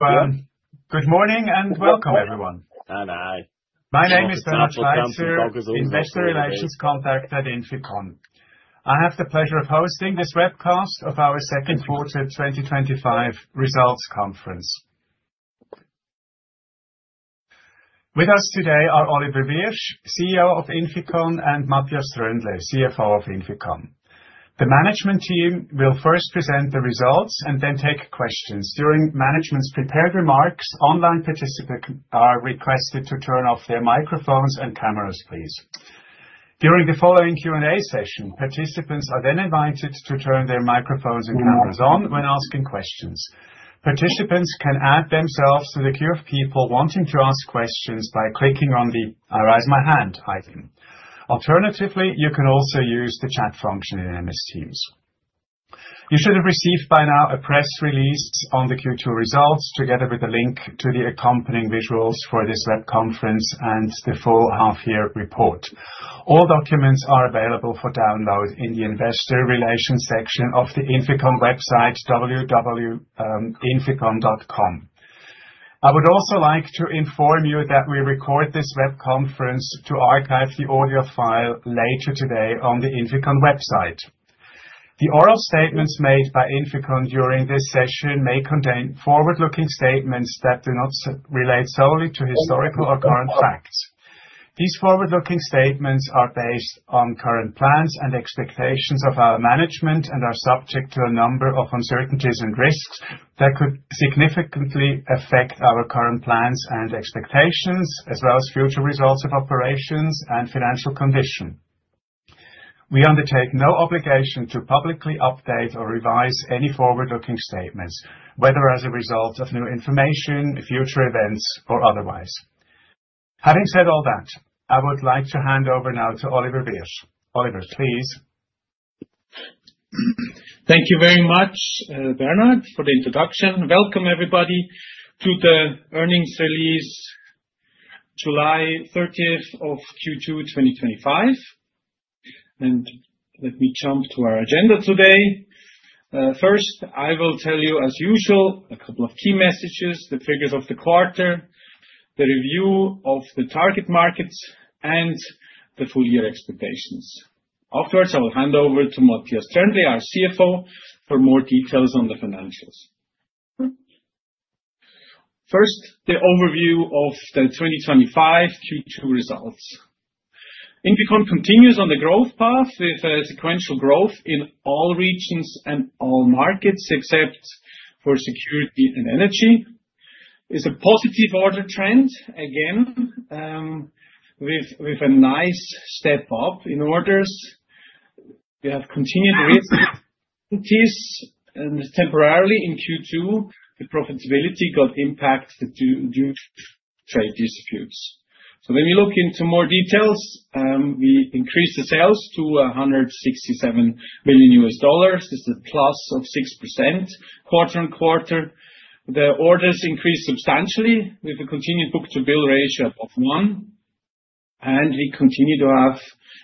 Good morning and welcome, everyone. My name is Bernhard Schweizer, Investor Relations Contact at INFICON. I have the pleasure of hosting this webcast of our second quarter 2025 results conference. With us today are Oliver Wyrsch, CEO of INFICON, and Matthias Tröndle, CFO of INFICON. The management team will first present the results and then take questions. During management's prepared remarks, online participants are requested to turn off their microphones and cameras, please. During the following Q&A session, participants are then invited to turn their microphones and cameras on when asking questions. Participants can add themselves to the queue of people wanting to ask questions by clicking on the "I Raise My Hand" icon. Alternatively, you can also use the chat function in MS Teams. You should have received by now a press release on the Q2 results together with a link to the accompanying visuals for this web conference and the full half-year report. All documents are available for download in the Investor Relations section of the INFICON website, www.inficon.com. I would also like to inform you that we record this web conference to archive the audio file later today on the INFICON website. The oral statements made by INFICON during this session may contain forward-looking statements that do not relate solely to historical or current facts. These forward-looking statements are based on current plans and expectations of our management and are subject to a number of uncertainties and risks that could significantly affect our current plans and expectations, as well as future results of operations and financial condition. We undertake no obligation to publicly update or revise any forward-looking statements, whether as a result of new information, future events, or otherwise. Having said all that, I would like to hand over now to Oliver Wyrsch. Oliver, please. Thank you very much, Bernhard, for the introduction. Welcome, everybody, to the earnings release July 30th of Q2 2025. Let me jump to our agenda today. First, I will tell you, as usual, a couple of key messages, the figures of the quarter, the review of the target markets, and the full-year expectations. Afterwards, I will hand over to Matthias Tröndle, our CFO, for more details on the financials. First, the overview of the 2025 Q2 results. INFICON continues on the growth path with sequential growth in all regions and all markets except for security and energy. It's a positive order trend again, with a nice step up in orders. We have continued risks and temporarily in Q2, the profitability got impacted due to trade disputes. When you look into more details, we increased the sales to $167 million. This is a plus of 6% quarter on quarter. The orders increased substantially with a continued book-to-bill ratio of one. We continue to have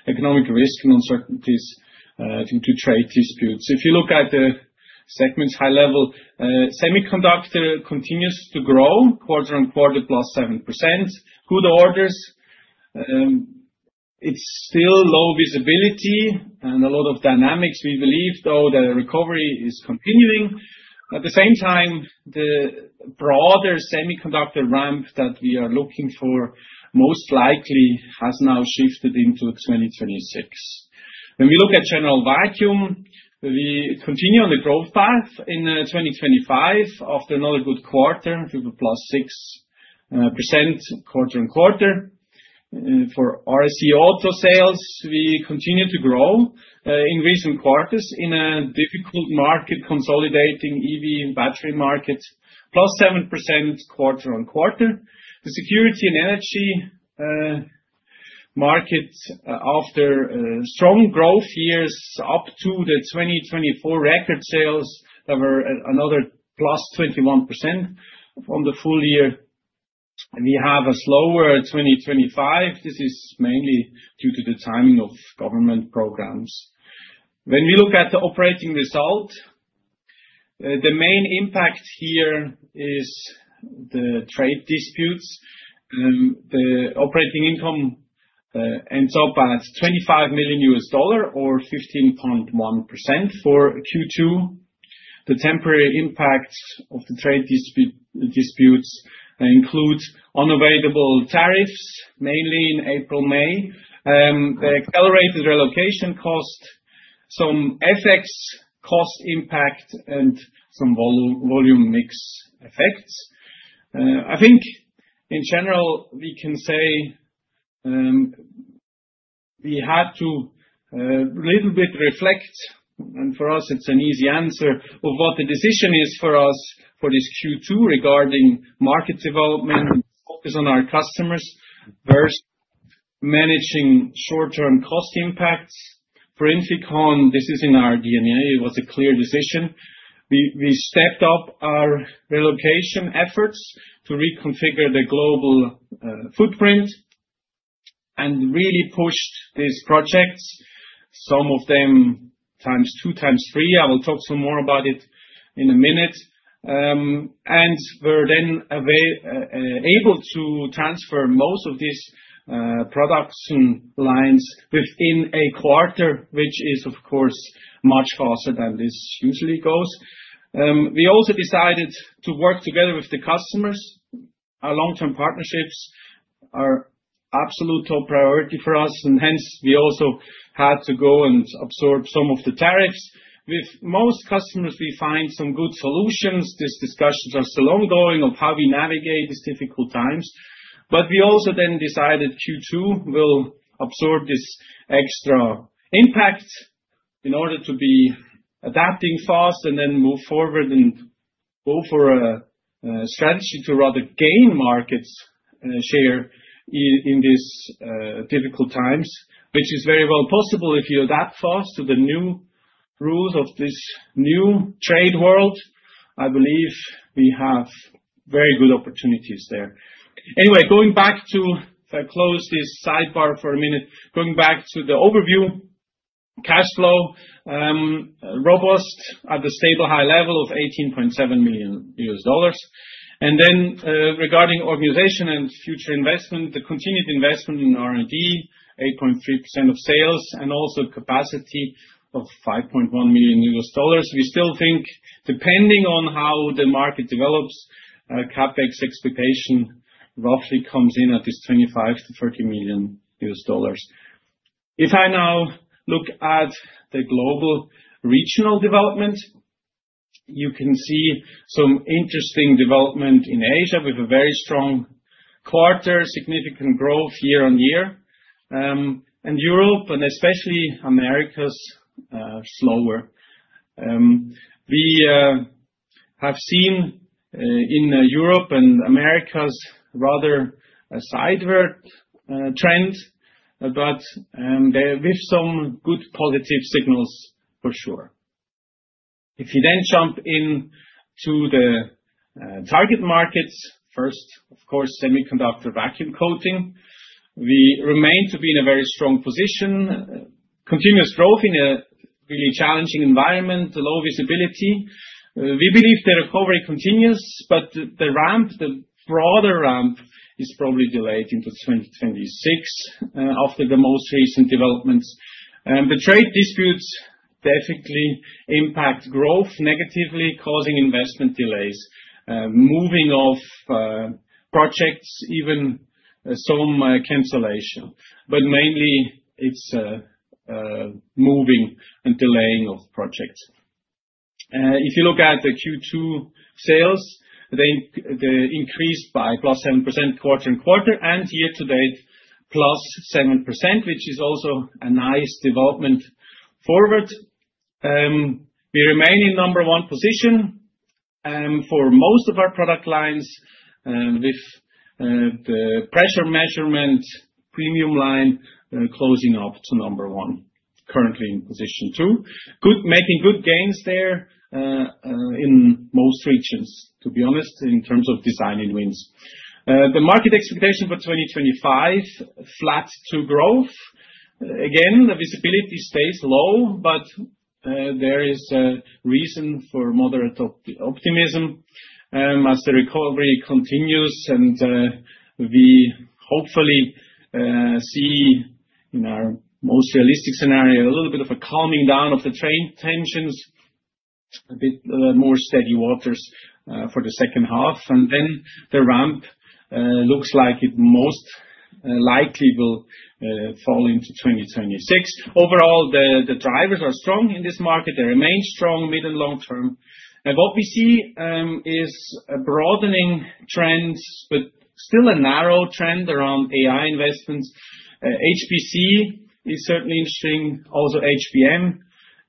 economic risk and uncertainties due to trade disputes. If you look at the segments high level, semiconductor continues to grow quarter on quarter, +7%. Good orders. It's still low visibility and a lot of dynamics. We believe, though, that recovery is continuing. At the same time, the broader semiconductor ramp that we are looking for most likely has now shifted into 2026. When we look at general vacuum, we continue on the growth path in 2025 after another good quarter to a +6% quarter on quarter. For RSC auto sales, we continue to grow in recent quarters in a difficult market, consolidating EV battery market, +7% quarter on quarter. The security and energy market, after strong growth years up to the 2024 record sales that were another +21% on the full year, we have a slower 2025. This is mainly due to the timing of government programs. When we look at the operating result, the main impact here is the trade disputes. The operating income ends up at $25 million or 15.1% for Q2. The temporary impacts of the trade disputes include unavailable tariffs, mainly in April, May, the accelerated relocation cost, some FX cost impact, and some volume mix effects. I think, in general, we can say we had to a little bit reflect, and for us, it's an easy answer of what the decision is for us for this Q2 regarding market development, focus on our customers versus managing short-term cost impacts. For INFICON, this is in our DNA. It was a clear decision. We stepped up our relocation efforts to reconfigure the global footprint and really pushed these projects, some of them times two, times three. I will talk some more about it in a minute. We're then able to transfer most of these production lines within a quarter, which is, of course, much faster than this usually goes. We also decided to work together with the customers. Our long-term partnerships are an absolute top priority for us, and hence, we also had to go and absorb some of the tariffs. With most customers, we find some good solutions. These discussions are still ongoing of how we navigate these difficult times. We also then decided Q2 will absorb this extra impact in order to be adapting fast and then move forward and go for a strategy to rather gain market share in these difficult times, which is very well possible if you adapt fast to the new rules of this new trade world. I believe we have very good opportunities there. Anyway, going back to, if I close this sidebar for a minute, going back to the overview, cash flow, robust at the stable high level of $18.7 million. Then, regarding organization and future investment, the continued investment in R&D, 8.3% of sales, and also capacity of $5.1 million. We still think, depending on how the market develops, CapEx expectation roughly comes in at this $25 million-$30 million. If I now look at the global regional development, you can see some interesting development in Asia with a very strong quarter, significant growth year on year. Europe and especially Americas is slower. We have seen, in Europe and Americas, rather a sideways trend, but there with some good positive signals for sure. If you then jump into the target markets, first, of course, semiconductor vacuum coating. We remain to be in a very strong position. Continuous growth in a really challenging environment, the low visibility. We believe the recovery continues, but the ramp, the broader ramp, is probably delayed into 2026, after the most recent developments. The trade disputes definitely impact growth negatively, causing investment delays, moving of projects, even some cancellation. Mainly, it's moving and delaying of projects. If you look at the Q2 sales, they increased by +7% quarter on quarter and year to date, +7%, which is also a nice development forward. We remain in number one position for most of our product lines, with the pressure measurement premium line closing up to number one, currently in position two. Good, making good gains there in most regions, to be honest, in terms of design and wins. The market expectation for 2025: flat to growth. Again, the visibility stays low, but there is a reason for moderate optimism as the recovery continues. We hopefully see in our most realistic scenario a little bit of a calming down of the trade tensions, a bit more steady waters for the second half. The ramp looks like it most likely will fall into 2026. Overall, the drivers are strong in this market. They remain strong mid and long term. What we see is a broadening trend, but still a narrow trend around AI investments. HPC is certainly interesting. Also, HBM.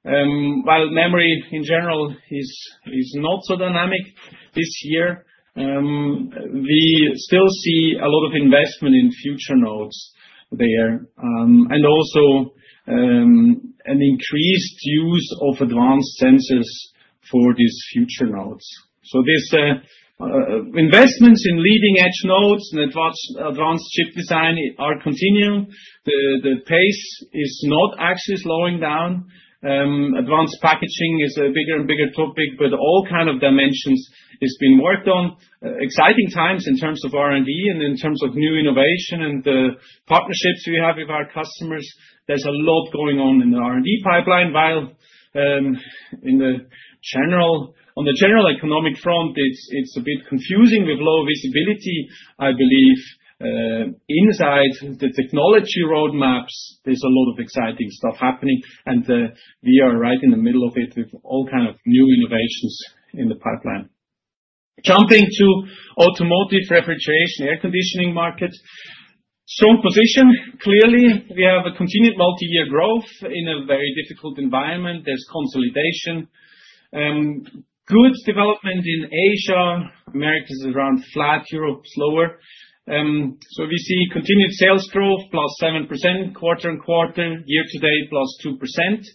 While memory in general is not so dynamic this year, we still see a lot of investment in future nodes there, and also an increased use of advanced sensors for these future nodes. This investment in leading-edge nodes and advanced chip design is continuing. The pace is not actually slowing down. Advanced packaging is a bigger and bigger topic, but all kinds of dimensions are being worked on. Exciting times in terms of R&D and in terms of new innovation and the partnerships we have with our customers. There's a lot going on in the R&D pipeline. While on the general economic front, it's a bit confusing with low visibility. I believe inside the technology roadmaps, there's a lot of exciting stuff happening. We are right in the middle of it with all kinds of new innovations in the pipeline. Jumping to automotive refrigeration air conditioning market, strong position. Clearly, we have a continued multi-year growth in a very difficult environment. There's consolidation, good development in Asia. Americas is around flat. Europe is lower. We see continued sales growth, +7% quarter on quarter, year to date,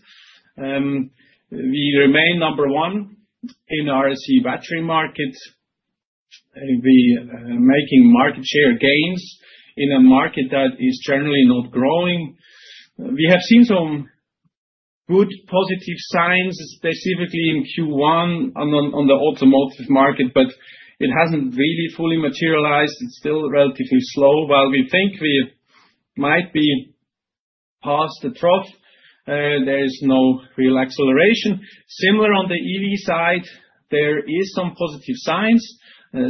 +2%. We remain number one in the RSC battery market. We are making market share gains in a market that is generally not growing. We have seen some good positive signs, specifically in Q1 on the automotive market, but it hasn't really fully materialized. It's still relatively slow. While we think we might be past the trough, there is no real acceleration. Similar on the EV side, there are some positive signs,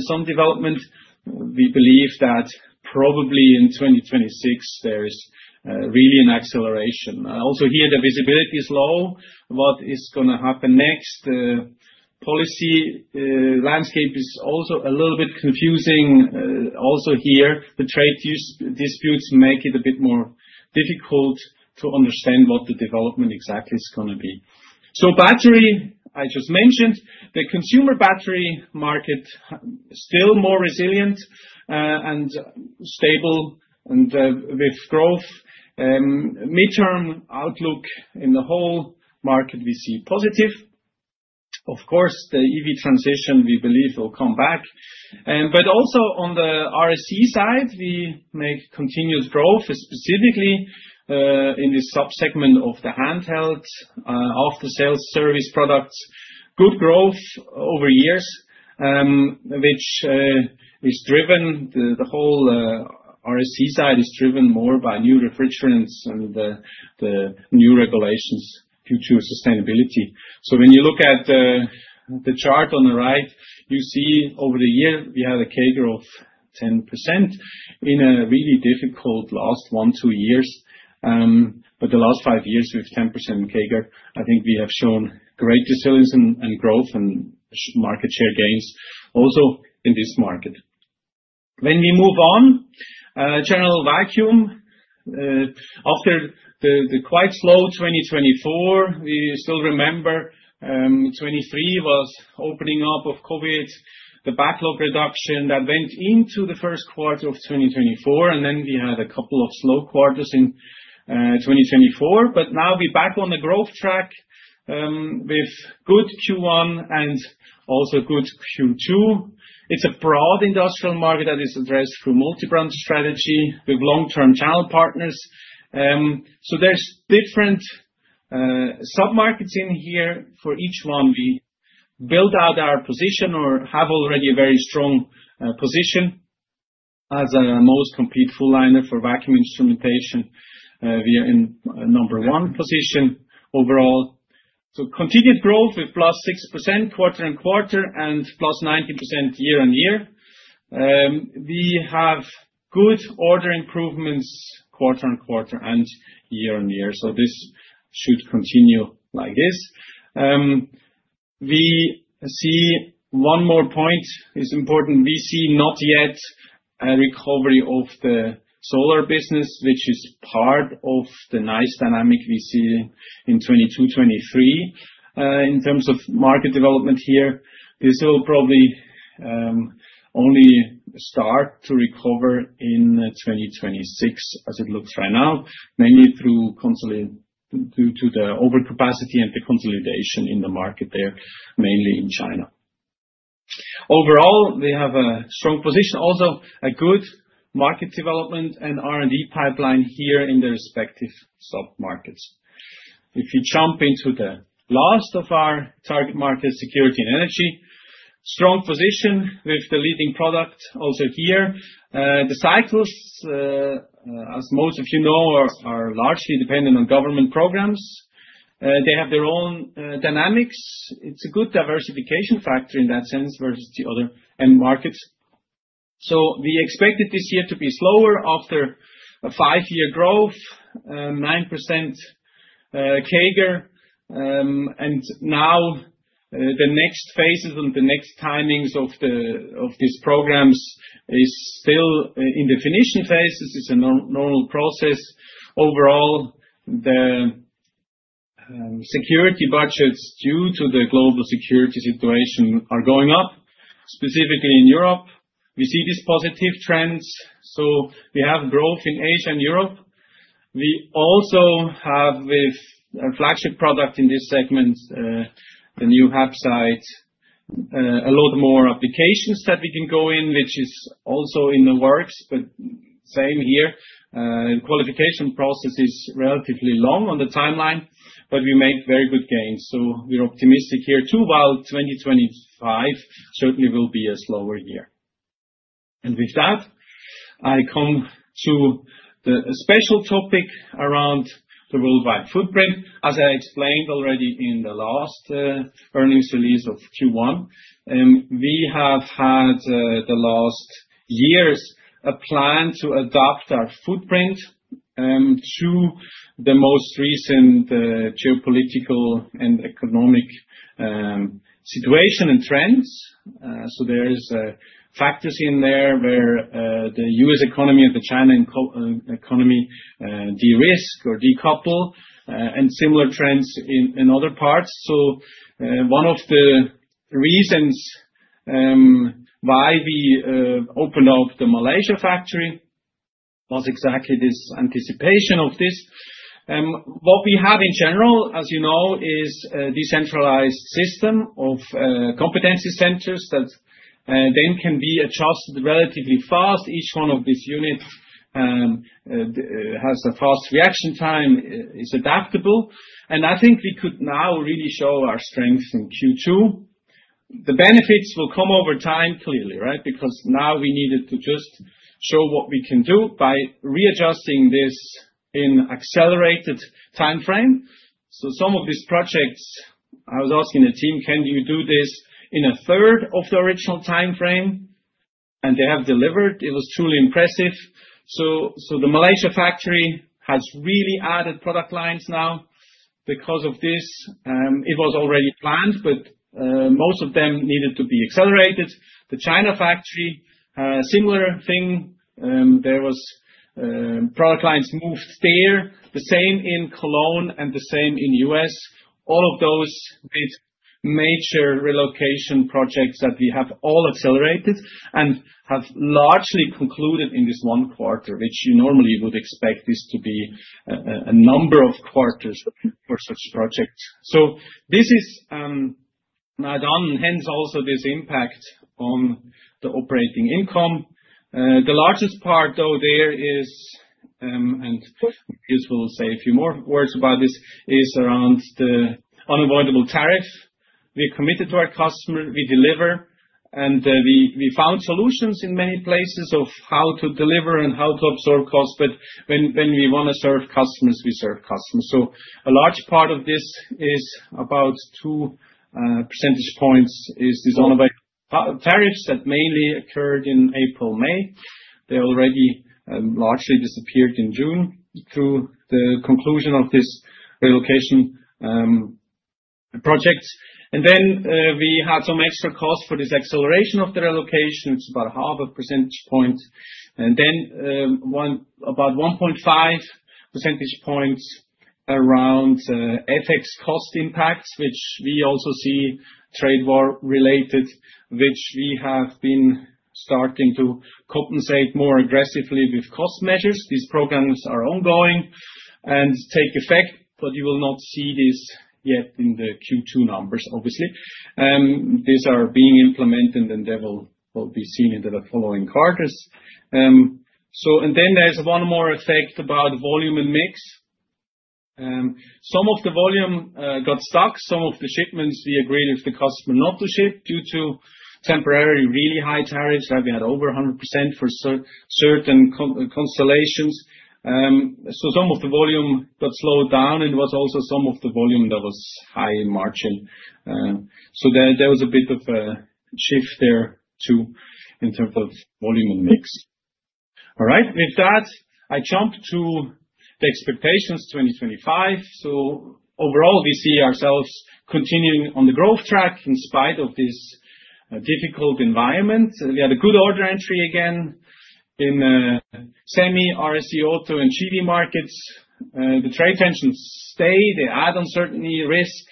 some development. We believe that probably in 2026, there is really an acceleration. Also, here, the visibility is low. What is going to happen next? The policy landscape is also a little bit confusing. Also here, the trade disputes make it a bit more difficult to understand what the development exactly is going to be. So battery, I just mentioned, the consumer battery market is still more resilient and stable and, with growth. Midterm outlook in the whole market we see positive. Of course, the EV transition we believe will come back, but also on the RSC auto side, we make continued growth, specifically in this subsegment of the handheld, after-sales service products. Good growth over years, which is driven, the whole RSC auto side is driven more by new refrigerants and the new regulations, future sustainability. When you look at the chart on the right, you see over the year, we had a CAGR of 10% in a really difficult last one, two years. The last five years with 10% CAGR, I think we have shown great resilience and growth and market share gains also in this market. When we move on, general vacuum, after the quite slow 2024, we still remember, 2023 was opening up of COVID, the backlog reduction that went into the first quarter of 2024. We had a couple of slow quarters in 2024. Now we're back on the growth track, with good Q1 and also good Q2. It's a broad industrial market that is addressed through multi-brand strategy with long-term channel partners. There are different submarkets in here. For each one, we build out our position or have already a very strong position as a most complete full liner for vacuum instrumentation. We are in a number one position overall. Continued growth with +6% quarter on quarter and +19% year on year. We have good order improvements quarter on quarter and year on year. This should continue like this. One more point is important. We see not yet a recovery of the solar business, which is part of the nice dynamic we see in 2022, 2023, in terms of market development here. This will probably only start to recover in 2026 as it looks right now, mainly due to the overcapacity and the consolidation in the market there, mainly in China. Overall, we have a strong position, also a good market development and R&D pipeline here in the respective submarkets. If you jump into the last of our target markets, security and energy, strong position with the leading product also here. The cycles, as most of you know, are largely dependent on government programs. They have their own dynamics. It's a good diversification factor in that sense versus the other end markets. We expected this year to be slower after a five-year growth, 9% CAGR. Now, the next phases and the next timings of these programs are still in the finishing phases. It's a normal process. Overall, the security budgets due to the global security situation are going up, specifically in Europe. We see these positive trends. We have growth in Asia and Europe. We also have, with a flagship product in this segment, the new hub site, a lot more applications that we can go in, which is also in the works. The qualification process is relatively long on the timeline, but we make very good gains. We're optimistic here too, while 2025 certainly will be a slower year. With that, I come to the special topic around the worldwide footprint. As I explained already in the last earnings release of Q1, we have had, the last years, a plan to adapt our footprint to the most recent geopolitical and economic situation and trends. There are factors in there where the U.S. economy and the China economy de-risk or decouple, and similar trends in other parts. One of the reasons why we opened up the Malaysia factory was exactly this anticipation of this. What we have in general, as you know, is a decentralized system of competency centers that then can be adjusted relatively fast. Each one of these units has a fast reaction time, is adaptable. I think we could now really show our strengths in Q2. The benefits will come over time, clearly, right, because now we needed to just show what we can do by readjusting this in an accelerated timeframe. Some of these projects, I was asking the team, "Can you do this in a third of the original timeframe?" and they have delivered. It was truly impressive. The Malaysia factory has really added product lines now because of this. It was already planned, but most of them needed to be accelerated. The China factory, a similar thing. There were product lines moved there. The same in Cologne and the same in the U.S.. All of those with major relocation projects that we have all accelerated and have largely concluded in this one quarter, which you normally would expect to be a number of quarters for such projects. This is not done, and hence also this impact on the operating income. The largest part, though, there is, and I guess we'll say a few more words about this, is around the unavoidable tariff. We're committed to our customer. We deliver. We found solutions in many places of how to deliver and how to absorb costs. When we want to serve customers, we serve customers. A large part of this is about 2% is these unavoidable tariffs that mainly occurred in April, May. They already largely disappeared in June through the conclusion of this relocation project. We had some extra costs for this acceleration of the relocation. It's about 0.5 percentage point. One about 1.5 percentage points around FX cost impacts, which we also see trade war-related, which we have been starting to compensate more aggressively with cost measures. These programs are ongoing and take effect, but you will not see this yet in the Q2 numbers, obviously. These are being implemented, and they will be seen in the following quarters. There is one more effect about volume and mix. Some of the volume got stuck. Some of the shipments, we agreed with the customer not to ship due to temporary, really high tariffs. We had over 100% for certain constellations. Some of the volume got slowed down, and it was also some of the volume that was high in margin. There was a bit of a shift there too in terms of volume and mix. All right. With that, I jump to the expectations 2025. Overall, we see ourselves continuing on the growth track in spite of this difficult environment. We had a good order entry again in the semi-RSC auto and general vacuum markets. The trade tensions stay. They add uncertainty risk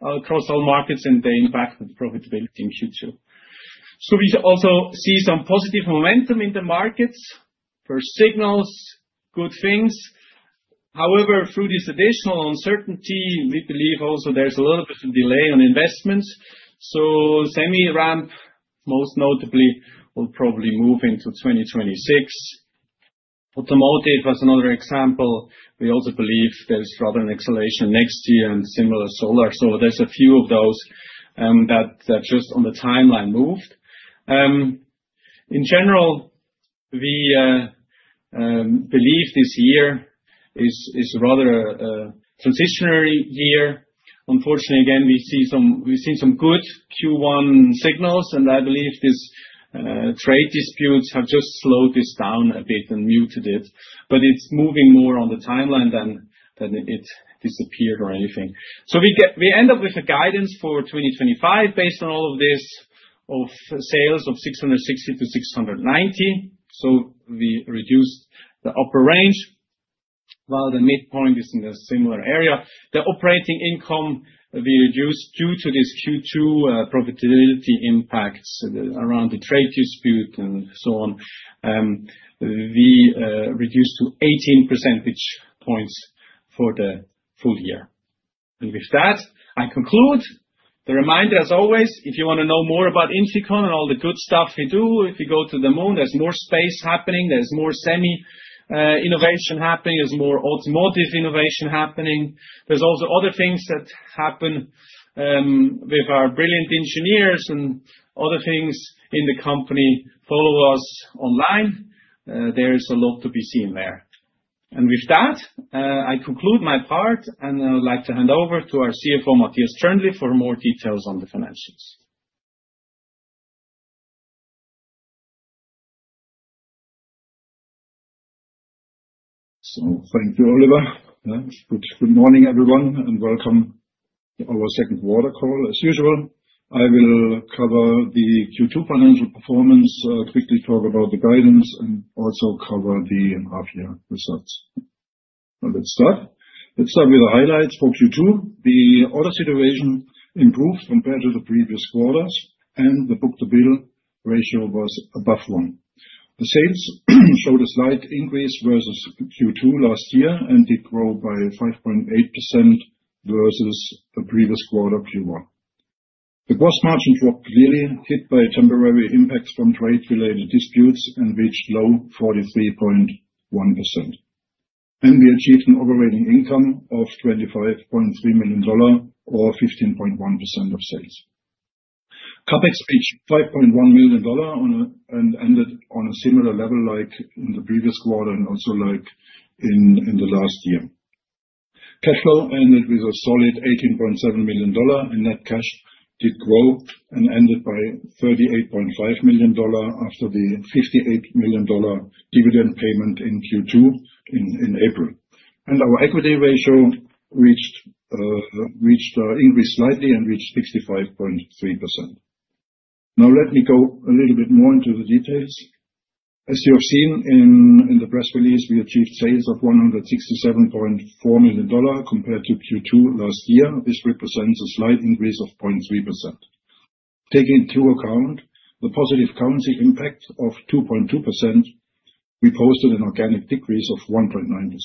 across all markets, and they impact the profitability in Q2. We also see some positive momentum in the markets for signals, good things. However, through this additional uncertainty, we believe also there's a little bit of a delay on investments. Semi-ramp, most notably, will probably move into 2026. Automotive was another example. We also believe there's rather an acceleration next year and similar solar. There are a few of those that just on the timeline moved. In general, we believe this year is rather a transitionary year. Unfortunately, again, we see some we've seen some good Q1 signals, and I believe these trade disputes have just slowed this down a bit and muted it. It's moving more on the timeline than it disappeared or anything. We end up with a guidance for 2025 based on all of this, of sales of $660 million-$690 million. We reduced the upper range, while the midpoint is in a similar area. The operating income we reduced due to this Q2 profitability impacts around the trade dispute and so on. We reduced to 18% for the full year. With that, I conclude. The reminder, as always, if you want to know more about INFICON and all the good stuff we do, if you go to the moon, there's more space happening. There's more semi innovation happening. There's more automotive innovation happening. There's also other things that happen with our brilliant engineers and other things in the company. Follow us online. There is a lot to be seen there. With that, I conclude my part, and I would like to hand over to our CFO, Matthias Tröndle, for more details on the financials. Thank you, Oliver. Good morning, everyone, and welcome to our second quarter call, as usual. I will cover the Q2 financial performance, quickly talk about the guidance, and also cover the half-year results. Now let's start. Let's start with the highlights for Q2. The order situation improved compared to the previous quarters, and the book-to-bill ratio was above one. The sales showed a slight increase versus Q2 last year and did grow by 5.8% versus the previous quarter, Q1. The gross margin dropped clearly, hit by temporary impacts from trade-related disputes, and reached a low 43.1%. We achieved an operating income of $25.3 million or 15.1% of sales. CapEx reached $5.1 million and ended on a similar level like in the previous quarter and also like in the last year. Cash flow ended with a solid $18.7 million, and net cash did grow and ended by $38.5 million after the $58 million dividend payment in Q2 in April. Our equity ratio increased slightly and reached 65.3%. Now let me go a little bit more into the details. As you have seen in the press release, we achieved sales of $167.4 million compared to Q2 last year. This represents a slight increase of 0.3%. Taking into account the positive currency impact of 2.2%, we posted an organic decrease of 1.9%.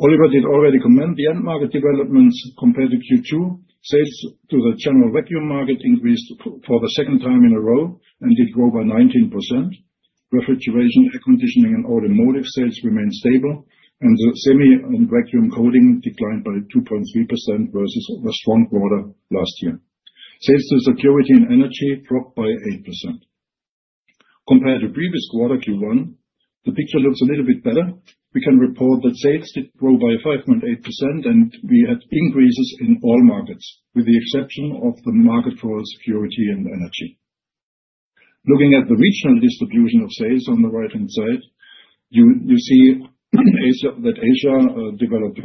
Oliver did already comment the end market developments compared to Q2. Sales to the general vacuum market increased for the second time in a row and did grow by 19%. Refrigeration, air conditioning, and automotive sales remained stable, and the semi and vacuum coating declined by 2.3% versus the strong quarter last year. Sales to security and energy dropped by 8%. Compared to the previous quarter, Q1, the picture looks a little bit better. We can report that sales did grow by 5.8%, and we had increases in all markets with the exception of the market for security and energy. Looking at the regional distribution of sales on the right-hand side, you see that Asia developed,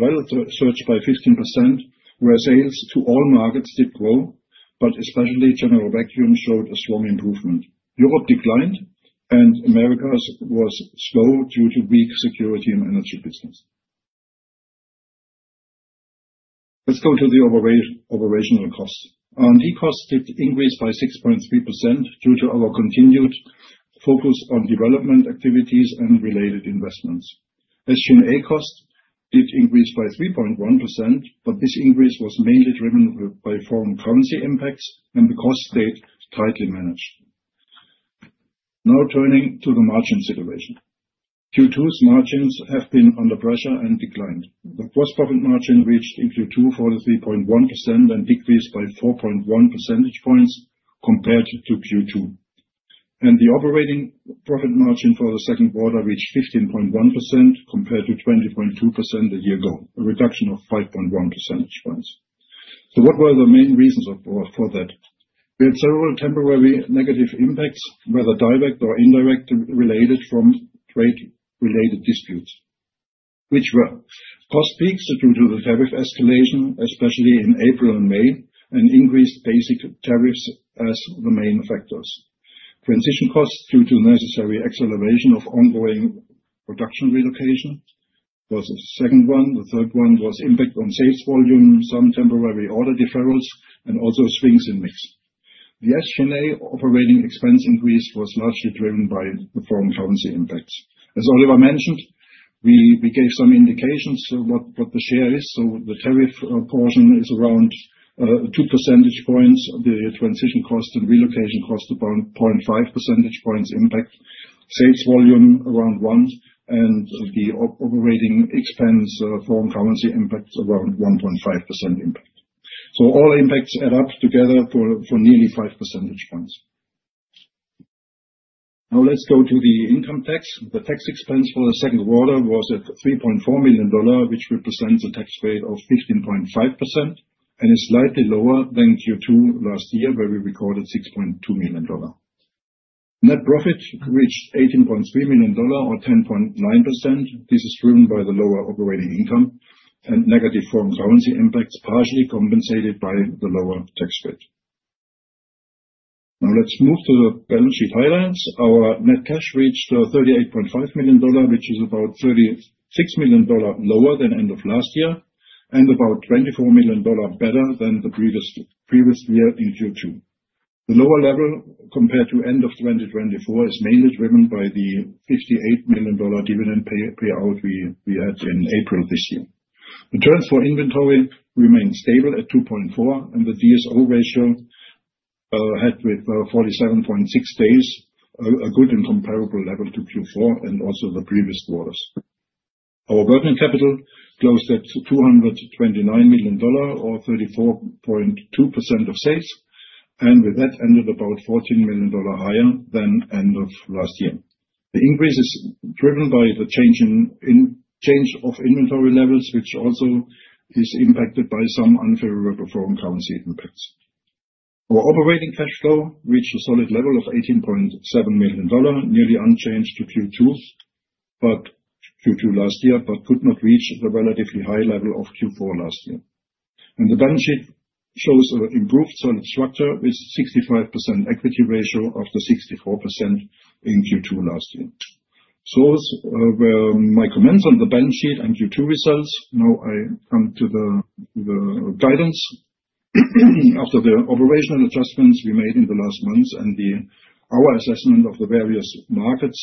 surged by 15%, where sales to all markets did grow, but especially general vacuum showed a strong improvement. Europe declined, and America was slow due to weak security and energy business. Let's go to the operational costs. R&D costs did increase by 6.3% due to our continued focus on development activities and related investments. SG&A costs did increase by 3.1%, but this increase was mainly driven by foreign currency impacts and because they stayed tightly managed. Now turning to the margin situation. Q2's margins have been under pressure and declined. The gross profit margin reached in Q2 43.1% and decreased by 4.1 percentage points compared to Q2. The operating profit margin for the second quarter reached 15.1% compared to 20.2% a year ago, a reduction of 5.1 percentage points. What were the main reasons for that? We had several temporary negative impacts, whether direct or indirectly related from trade-related disputes, which were cost peaks due to the tariff escalation, especially in April and May, and increased basic tariffs as the main factors. Transition costs due to necessary acceleration of ongoing production relocation was the second one. The third one was impact on sales volume, some temporary order deferrals, and also swings in mix. The SG&A operating expense increase was largely driven by the foreign currency impacts. As Oliver mentioned, we gave some indications of what the share is. The tariff portion is around 2 percentage points. The transition cost and relocation cost about 0.5 percentage points impact. Sales volume around 1. The operating expense foreign currency impacts around 1.5% impact. All impacts add up together for nearly 5 percentage points. Now let's go to the income tax. The tax expense for the second quarter was at $3.4 million, which represents a tax rate of 15.5% and is slightly lower than Q2 last year, where we recorded $6.2 million. Net profit reached $18.3 million or 10.9%. This is driven by the lower operating income and negative foreign currency impacts, partially compensated by the lower tax rate. Now let's move to the balance sheet highlights. Our net cash reached $38.5 million, which is about $36 million lower than end of last year and about $24 million better than the previous year in Q2. The lower level compared to end of 2024 is mainly driven by the $58 million dividend payout we had in April this year. Returns for inventory remain stable at 2.4, and the DSO ratio had 47.6 days, a good and comparable level to Q4 and also the previous quarters. Our burden of capital closed at $229 million or 34.2% of sales, and with that ended about $14 million higher than end of last year. The increase is driven by the change of inventory levels, which also is impacted by some unfavorable foreign currency impacts. Our operating cash flow reached a solid level of $18.7 million, nearly unchanged to Q2 last year, but could not reach the relatively high level of Q4 last year. The balance sheet shows an improved solid structure with a 65% equity ratio after 64% in Q2 last year. Those were my comments on the balance sheet and Q2 results. Now I come to the guidance. After the operational adjustments we made in the last months and our assessment of the various markets,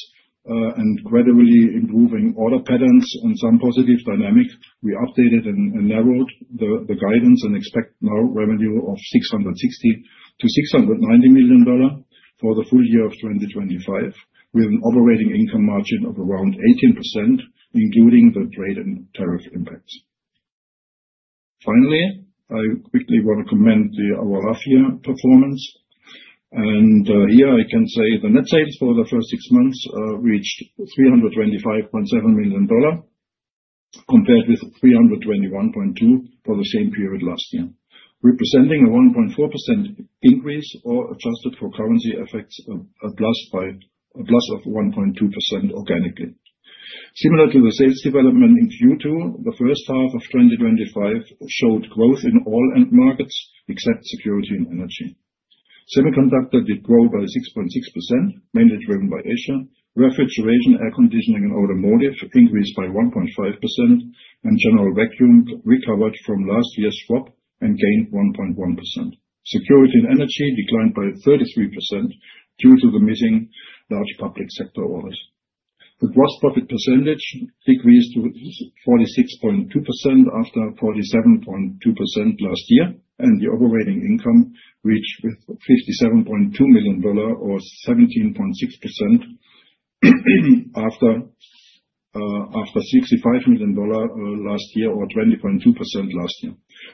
and gradually improving order patterns and some positive dynamic, we updated and narrowed the guidance and expect now revenue of $660 million-$690 million for the full year of 2025 with an operating income margin of around 18%, including the trade and tariff impacts. Finally, I quickly want to comment on our last-year performance. Here I can say the net sales for the first six months reached $325.7 million compared with $321.2 million for the same period last year, representing a 1.4% increase or, adjusted for currency effects, a plus of 1.2% organically. Similar to the sales development in Q2, the first half of 2025 showed growth in all end markets except security and energy. Semiconductor did grow by 6.6%, mainly driven by Asia. Refrigeration, air conditioning, and automotive increased by 1.5%, and general vacuum recovered from last year's drop and gained 1.1%. Security and energy declined by 33% due to the missing large public sector audit. The gross profit percentage decreased to 46.2% after 47.2% last year, and the operating income reached $57.2 million or 17.6% after $65 million last year or 20.2% last year.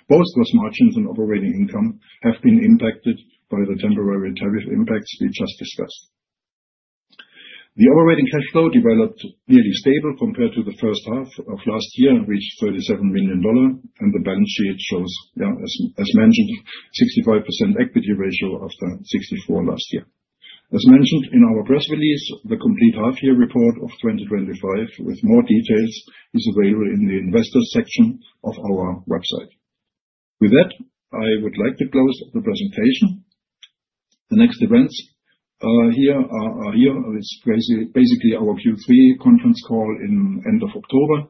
Both gross margins and operating income have been impacted by the temporary tariff impacts we just discussed. The operating cash flow developed nearly stable compared to the first half of last year and reached $37 million. The balance sheet shows, as mentioned, a 65% equity ratio after 64% last year. As mentioned in our press release, the complete half-year report of 2025 with more details is available in the investors' section of our website. With that, I would like to close the presentation. The next events are here. It's basically our Q3 conference call at the end of October,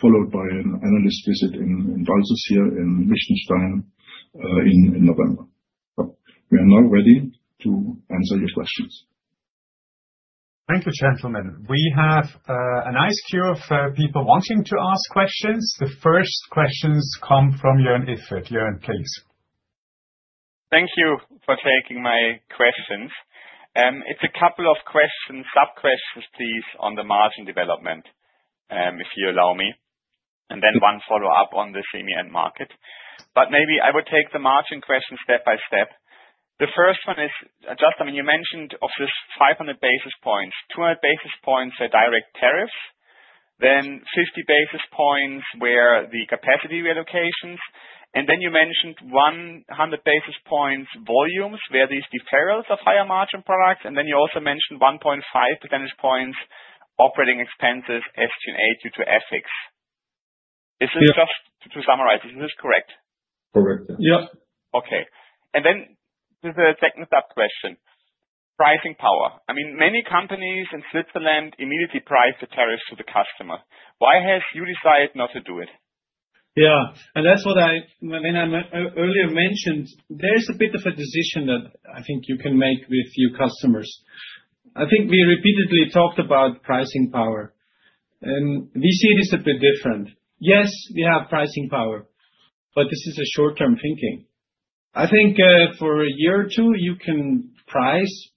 followed by an analyst visit in Balzers here in Liechtenstein in November. We are now ready to answer your questions. Thank you, gentlemen. We have a nice queue of people wanting to ask questions. The first questions come from Joern Iffert. Jörn, please. Thank you for taking my questions. It's a couple of questions, sub-questions, please, on the margin development, if you allow me. Then one follow-up on the semi-end market. Maybe I would take the margin question step by step. The first one is just, I mean, you mentioned of this 500 basis points. 200 basis points are direct tariffs, then 50 basis points were the capacity relocations. You mentioned 100 basis points volumes were these deferrals of higher margin products. You also mentioned 1.5 basis points operating expenses SG&A due to FX. Is this just to summarize, is this correct? Correct. Yeah. Okay. There is a second sub-question, pricing power. I mean, many companies in Switzerland immediately price the tariffs to the customer. Why have you decided not to do it? That's what I, when I earlier mentioned, there's a bit of a decision that I think you can make with your customers. I think we repeatedly talked about pricing power. We see it as a bit different. Yes, we have pricing power, but this is short-term thinking. I think, for a year or two, you can price,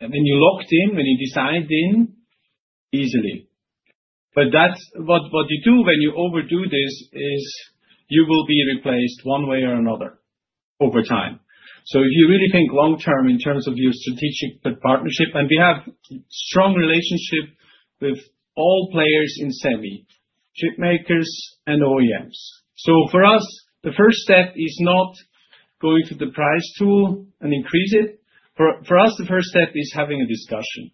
and then you're locked in when you decide in easily. What you do when you overdo this is you will be replaced one way or another over time. If you really think long-term in terms of your strategic partnership, and we have a strong relationship with all players in semi, chip makers, and OEMs. For us, the first step is not going to the price tool and increasing it. For us, the first step is having a discussion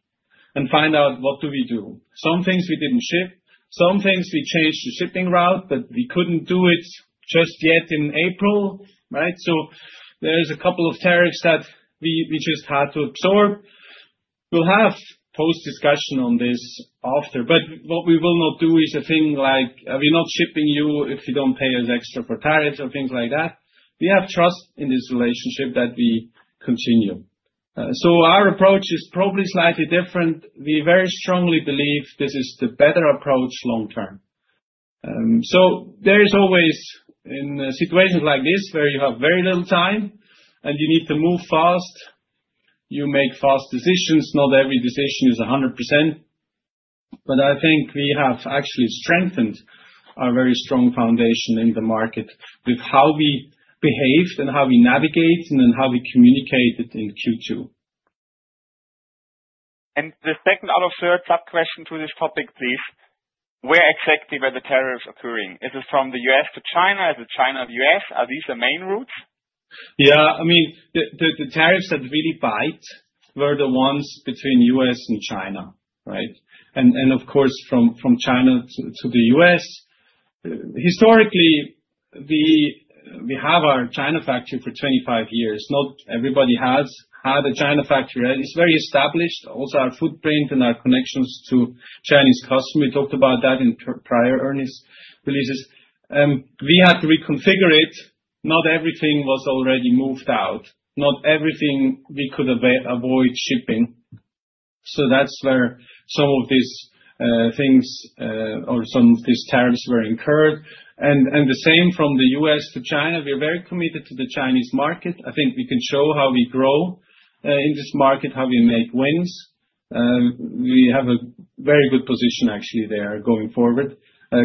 and finding out what do we do. Some things we didn't ship. Some things we changed the shipping route, but we couldn't do it just yet in April, right? There's a couple of tariffs that we just had to absorb. We'll have post-discussion on this after. What we will not do is a thing like, "Are we not shipping you if you don't pay us extra for tariffs or things like that?" We have trust in this relationship that we continue. Our approach is probably slightly different. We very strongly believe this is the better approach long-term. There's always, in situations like this, where you have very little time and you need to move fast, you make fast decisions. Not every decision is 100%. I think we have actually strengthened our very strong foundation in the market with how we behaved and how we navigate and then how we communicated in Q2. The second out of third sub-question to this topic, please, where exactly were the tariffs occurring? Is it from the U.S. to China? Is it China to the U.S.? Are these the main routes? Yeah. I mean, the tariffs that really bite were the ones between the U.S. and China, right? Of course, from China to the U.S. Historically, we have our China factory for 25 years. Not everybody has had a China factory, right? It's very established. Also, our footprint and our connections to Chinese customers. We talked about that in prior earnings releases. We had to reconfigure it. Not everything was already moved out. Not everything we could avoid shipping. That's where some of these things, or some of these tariffs, were incurred. The same from the U.S. to China. We are very committed to the Chinese market. I think we can show how we grow in this market, how we make wins. We have a very good position, actually, there going forward,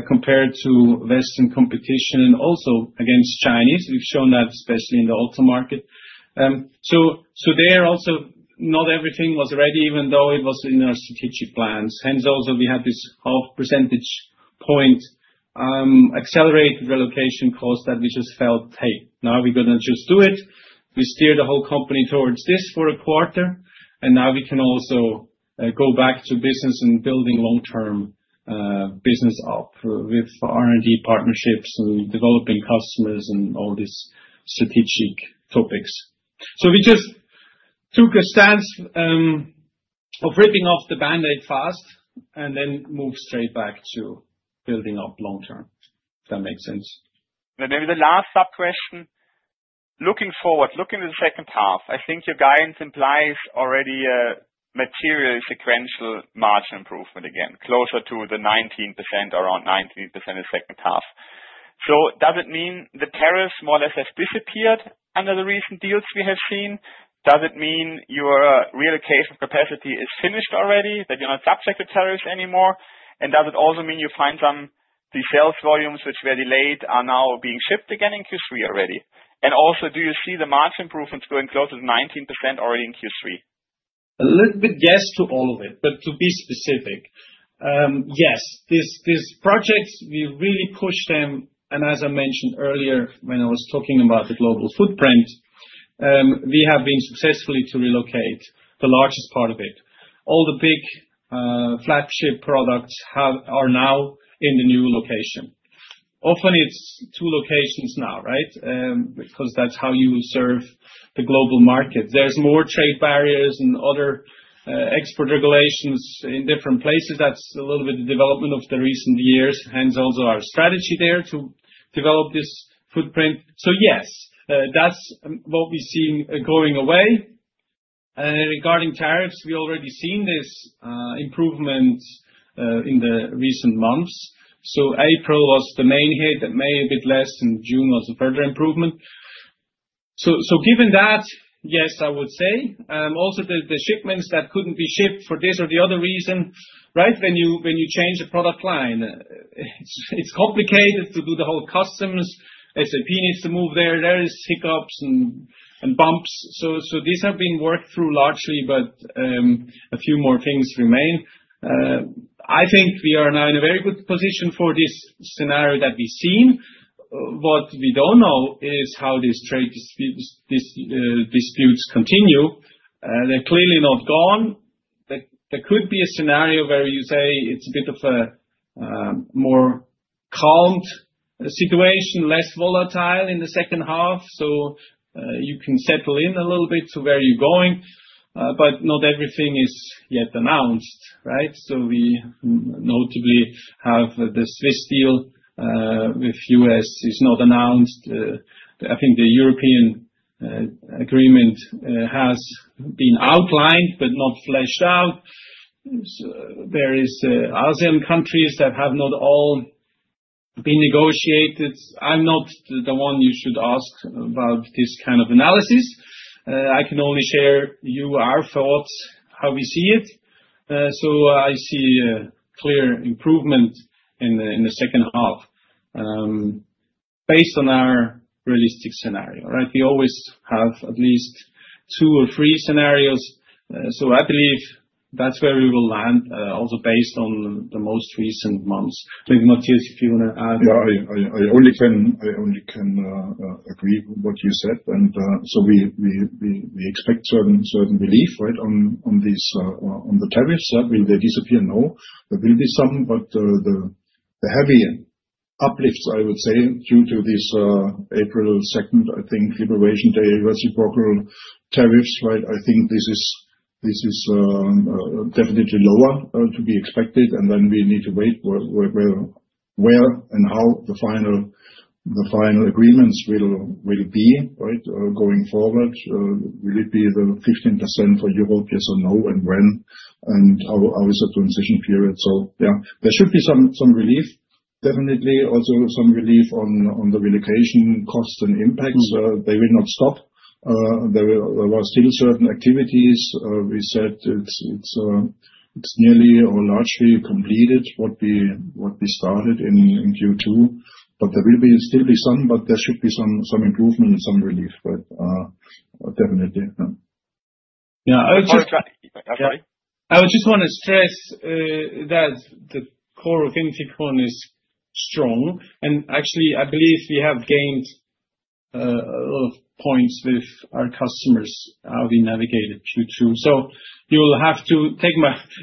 compared to Western competition and also against Chinese. We've shown that, especially in the auto market. There also, not everything was ready, even though it was in our strategic plans. Hence, we had this half percentage point, accelerated relocation cost that we just felt, hey, now we're going to just do it. We steer the whole company towards this for a quarter. Now we can also go back to business and building long-term business up with R&D partnerships and developing customers and all these strategic topics. We just took a stance of ripping off the band-aid fast and then moved straight back to building up long-term, if that makes sense. Maybe the last sub-question, looking forward, looking at the second half, I think your guidance implies already a material sequential margin improvement again, closer to 19%, around 19% in the second half. Does it mean the tariffs more or less have disappeared under the recent deals we have seen? Does it mean your relocation of capacity is finished already, that you're not subject to tariffs anymore? Does it also mean you find some of the sales volumes which were delayed are now being shipped again in Q3 already? Also, do you see the margin improvements going closer to 19% already in Q3? A little bit yes to all of it, but to be specific, yes. These projects, we really push them. As I mentioned earlier, when I was talking about the global footprint, we have been successful to relocate the largest part of it. All the big, flagship products are now in the new location. Often, it's two locations now, right? That's how you will serve the global market. There are more trade barriers and other export regulations in different places. That's a little bit of the development of the recent years. Hence, also our strategy there to develop this footprint. Yes, that's what we see going away. Regarding tariffs, we already have seen this improvement in the recent months. April was the main hit, that may be a bit less, and June was a further improvement. Given that, yes, I would say also the shipments that couldn't be shipped for this or the other reason, right? When you change a product line, it's complicated to do the whole customs. SAP needs to move there. There are hiccups and bumps. These have been worked through largely, but a few more things remain. I think we are now in a very good position for this scenario that we've seen. What we don't know is how these trade disputes continue. They're clearly not gone. There could be a scenario where you say it's a bit of a more calm situation, less volatile in the second half. You can settle in a little bit to where you're going, but not everything is yet announced, right? We notably have the Swiss deal with the U.S. not announced. I think the European agreement has been outlined but not fleshed out. There are some countries that have not all been negotiated. I'm not the one you should ask about this kind of analysis. I can only share you our thoughts, how we see it. I see a clear improvement in the second half, based on our realistic scenario, right? We always have at least two or three scenarios. I believe that's where we will land, also based on the most recent months. I think, Matthias, if you want to add. I can agree with what you said. We expect certain relief on these tariffs. Will they disappear? No. There will be some, but the heavy uplifts, I would say, due to this April 2nd, I think, Liberation Day, Reciprocal Tariffs, right? I think this is definitely lower, to be expected. We need to wait where and how the final agreements will be going forward. Will it be the 15% for Europe, yes or no, and when? How is the transition period? There should be some relief, definitely. Also, some relief on the relocation costs and impacts. They will not stop. There were still certain activities. We said it's nearly or largely completed what we started in Q2. There will still be some, but there should be some improvement and some relief, definitely. Yeah. I would just want to stress that the core of INFICON is strong. Actually, I believe we have gained a lot of points with our customers how we navigated Q2. You'll have to take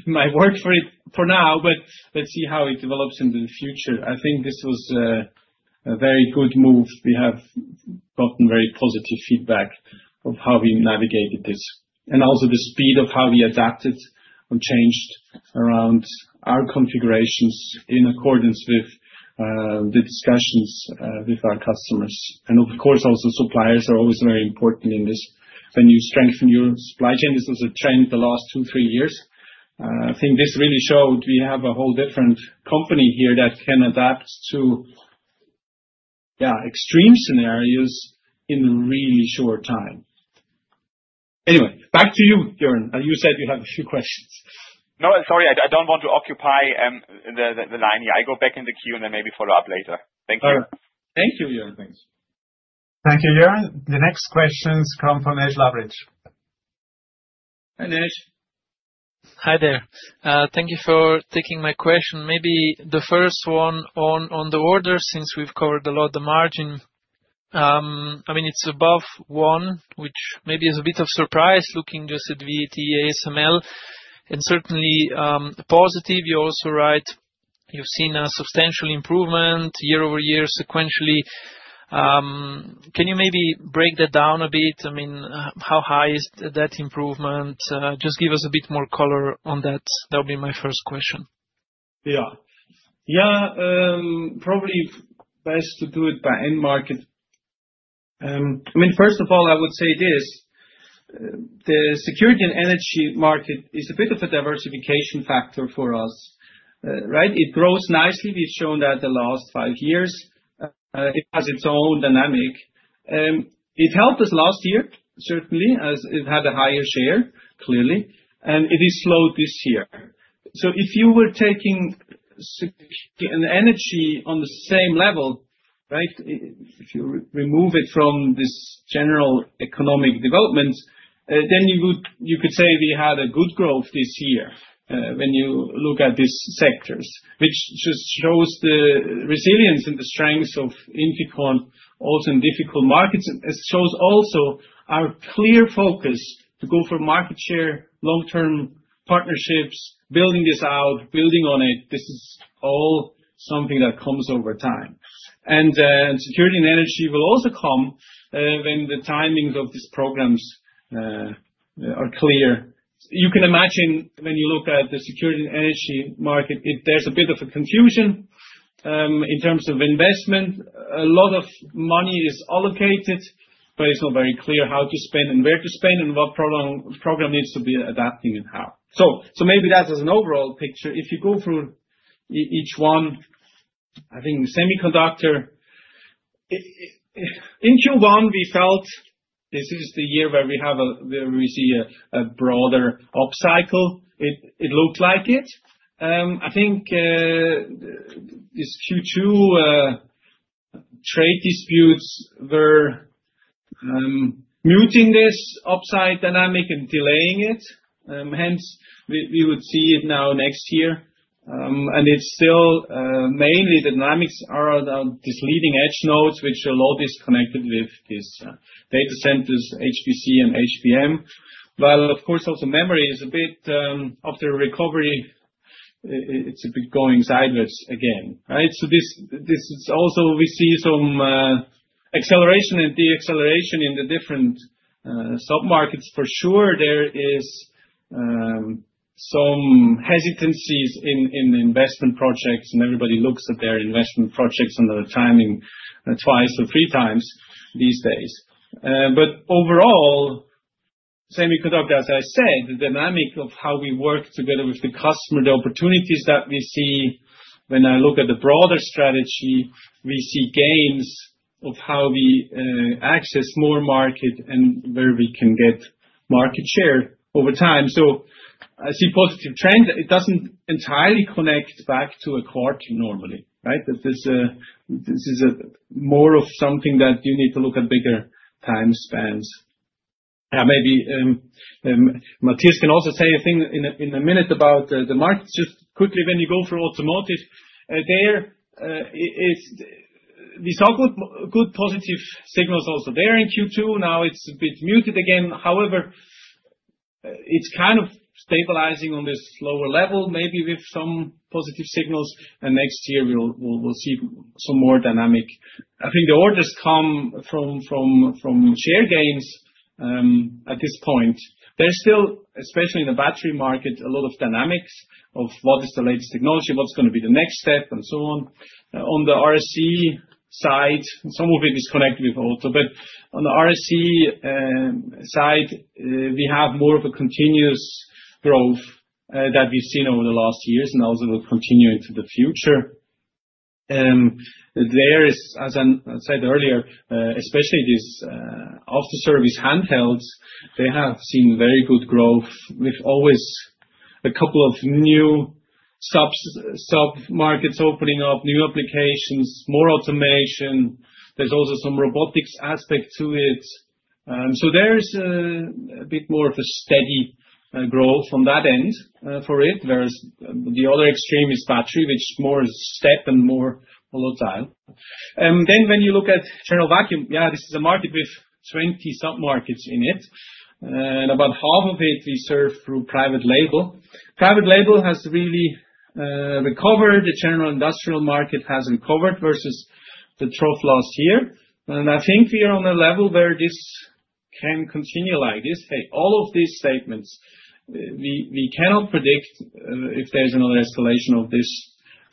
my word for it for now, but let's see how it develops in the future. I think this was a very good move. We have gotten very positive feedback on how we navigated this, and also the speed of how we adapted and changed around our configurations in accordance with the discussions with our customers. Of course, also suppliers are always very important in this when you strengthen your supply chain. This was a trend the last two, three years. I think this really showed we have a whole different company here that can adapt to extreme scenarios in a really short time. Anyway, back to you, Joern. You said you have a few questions. No, sorry. I don't want to occupy the line here. I go back in the queue and then maybe follow up later. Thank you. All right. Thank you, Joern. Thanks. Thank you, Jörn. The next questions come from Nejc Lavric. Hi, Nejc. Hi there. Thank you for taking my question. Maybe the first one on the order since we've covered a lot of the margin. I mean, it's above one, which maybe is a bit of a surprise looking just at VAT, ASML, and certainly positive. You also write you've seen a substantial improvement year-over-year, sequentially. Can you maybe break that down a bit? I mean, how high is that improvement? Just give us a bit more color on that. That would be my first question. Yeah, probably best to do it by end market. I mean, first of all, I would say this: the security and energy market is a bit of a diversification factor for us, right? It grows nicely. We've shown that the last five years, it has its own dynamic. It helped us last year, certainly, as it had a higher share, clearly. It is slow this year. If you were taking security and energy on the same level, if you remove it from this general economic development, then you could say we had a good growth this year when you look at these sectors, which just shows the resilience and the strengths of INFICON, also in some difficult markets. It shows also our clear focus to go for market share, long-term partnerships, building this out, building on it. This is all something that comes over time. Security and energy will also come when the timings of these programs are clear. You can imagine when you look at the security and energy market, there's a bit of a confusion in terms of investment. A lot of money is allocated, but it's not very clear how to spend and where to spend and what program needs to be adapting and how. Maybe that as an overall picture. If you go through each one, I think semiconductor, in Q1, we felt this is the year where we have a, where we see a broader upcycle. It looked like it. I think this Q2, trade disputes were muting this upside dynamic and delaying it. Hence, we would see it now next year. It's still mainly the dynamics are around these leading edge nodes, which are a lot disconnected with this, data centers, HPC, and HPM. While, of course, also memory is a bit, after recovery, it's a bit going sideways again, right? This is also we see some acceleration and deacceleration in the different submarkets. For sure, there is some hesitancies in investment projects, and everybody looks at their investment projects under the timing twice or three times these days. Overall, semiconductor, as I said, the dynamic of how we work together with the customer, the opportunities that we see. When I look at the broader strategy, we see gains of how we access more market and where we can get market share over time. I see positive trends. It doesn't entirely connect back to a quarter normally, right? This is more of something that you need to look at bigger time spans. Maybe Matthias can also say a thing in a minute about the market. Just quickly, when you go for automotive, we saw good, good positive signals also there in Q2. Now it's a bit muted again. However, it's kind of stabilizing on this lower level, maybe with some positive signals. Next year, we'll see some more dynamic. I think the orders come from share gains at this point. There's still, especially in the battery market, a lot of dynamics of what is the latest technology, what's going to be the next step, and so on. On the RSC side, some of it is connected with auto, but on the RSC side, we have more of a continuous growth that we've seen over the last years and also will continue into the future. There is, as I said earlier, especially these after-service handhelds, they have seen very good growth with always a couple of new submarkets opening up, new applications, more automation. There's also some robotics aspect to it. There's a bit more of a steady growth on that end, whereas the other extreme is battery, which is more step and more volatile. When you look at general vacuum, this is a market with 20 submarkets in it, and about half of it we serve through private label. Private label has really recovered. The general industrial market has recovered versus the trough last year. I think we are on a level where this can continue like this. All of these statements, we cannot predict if there's another escalation of these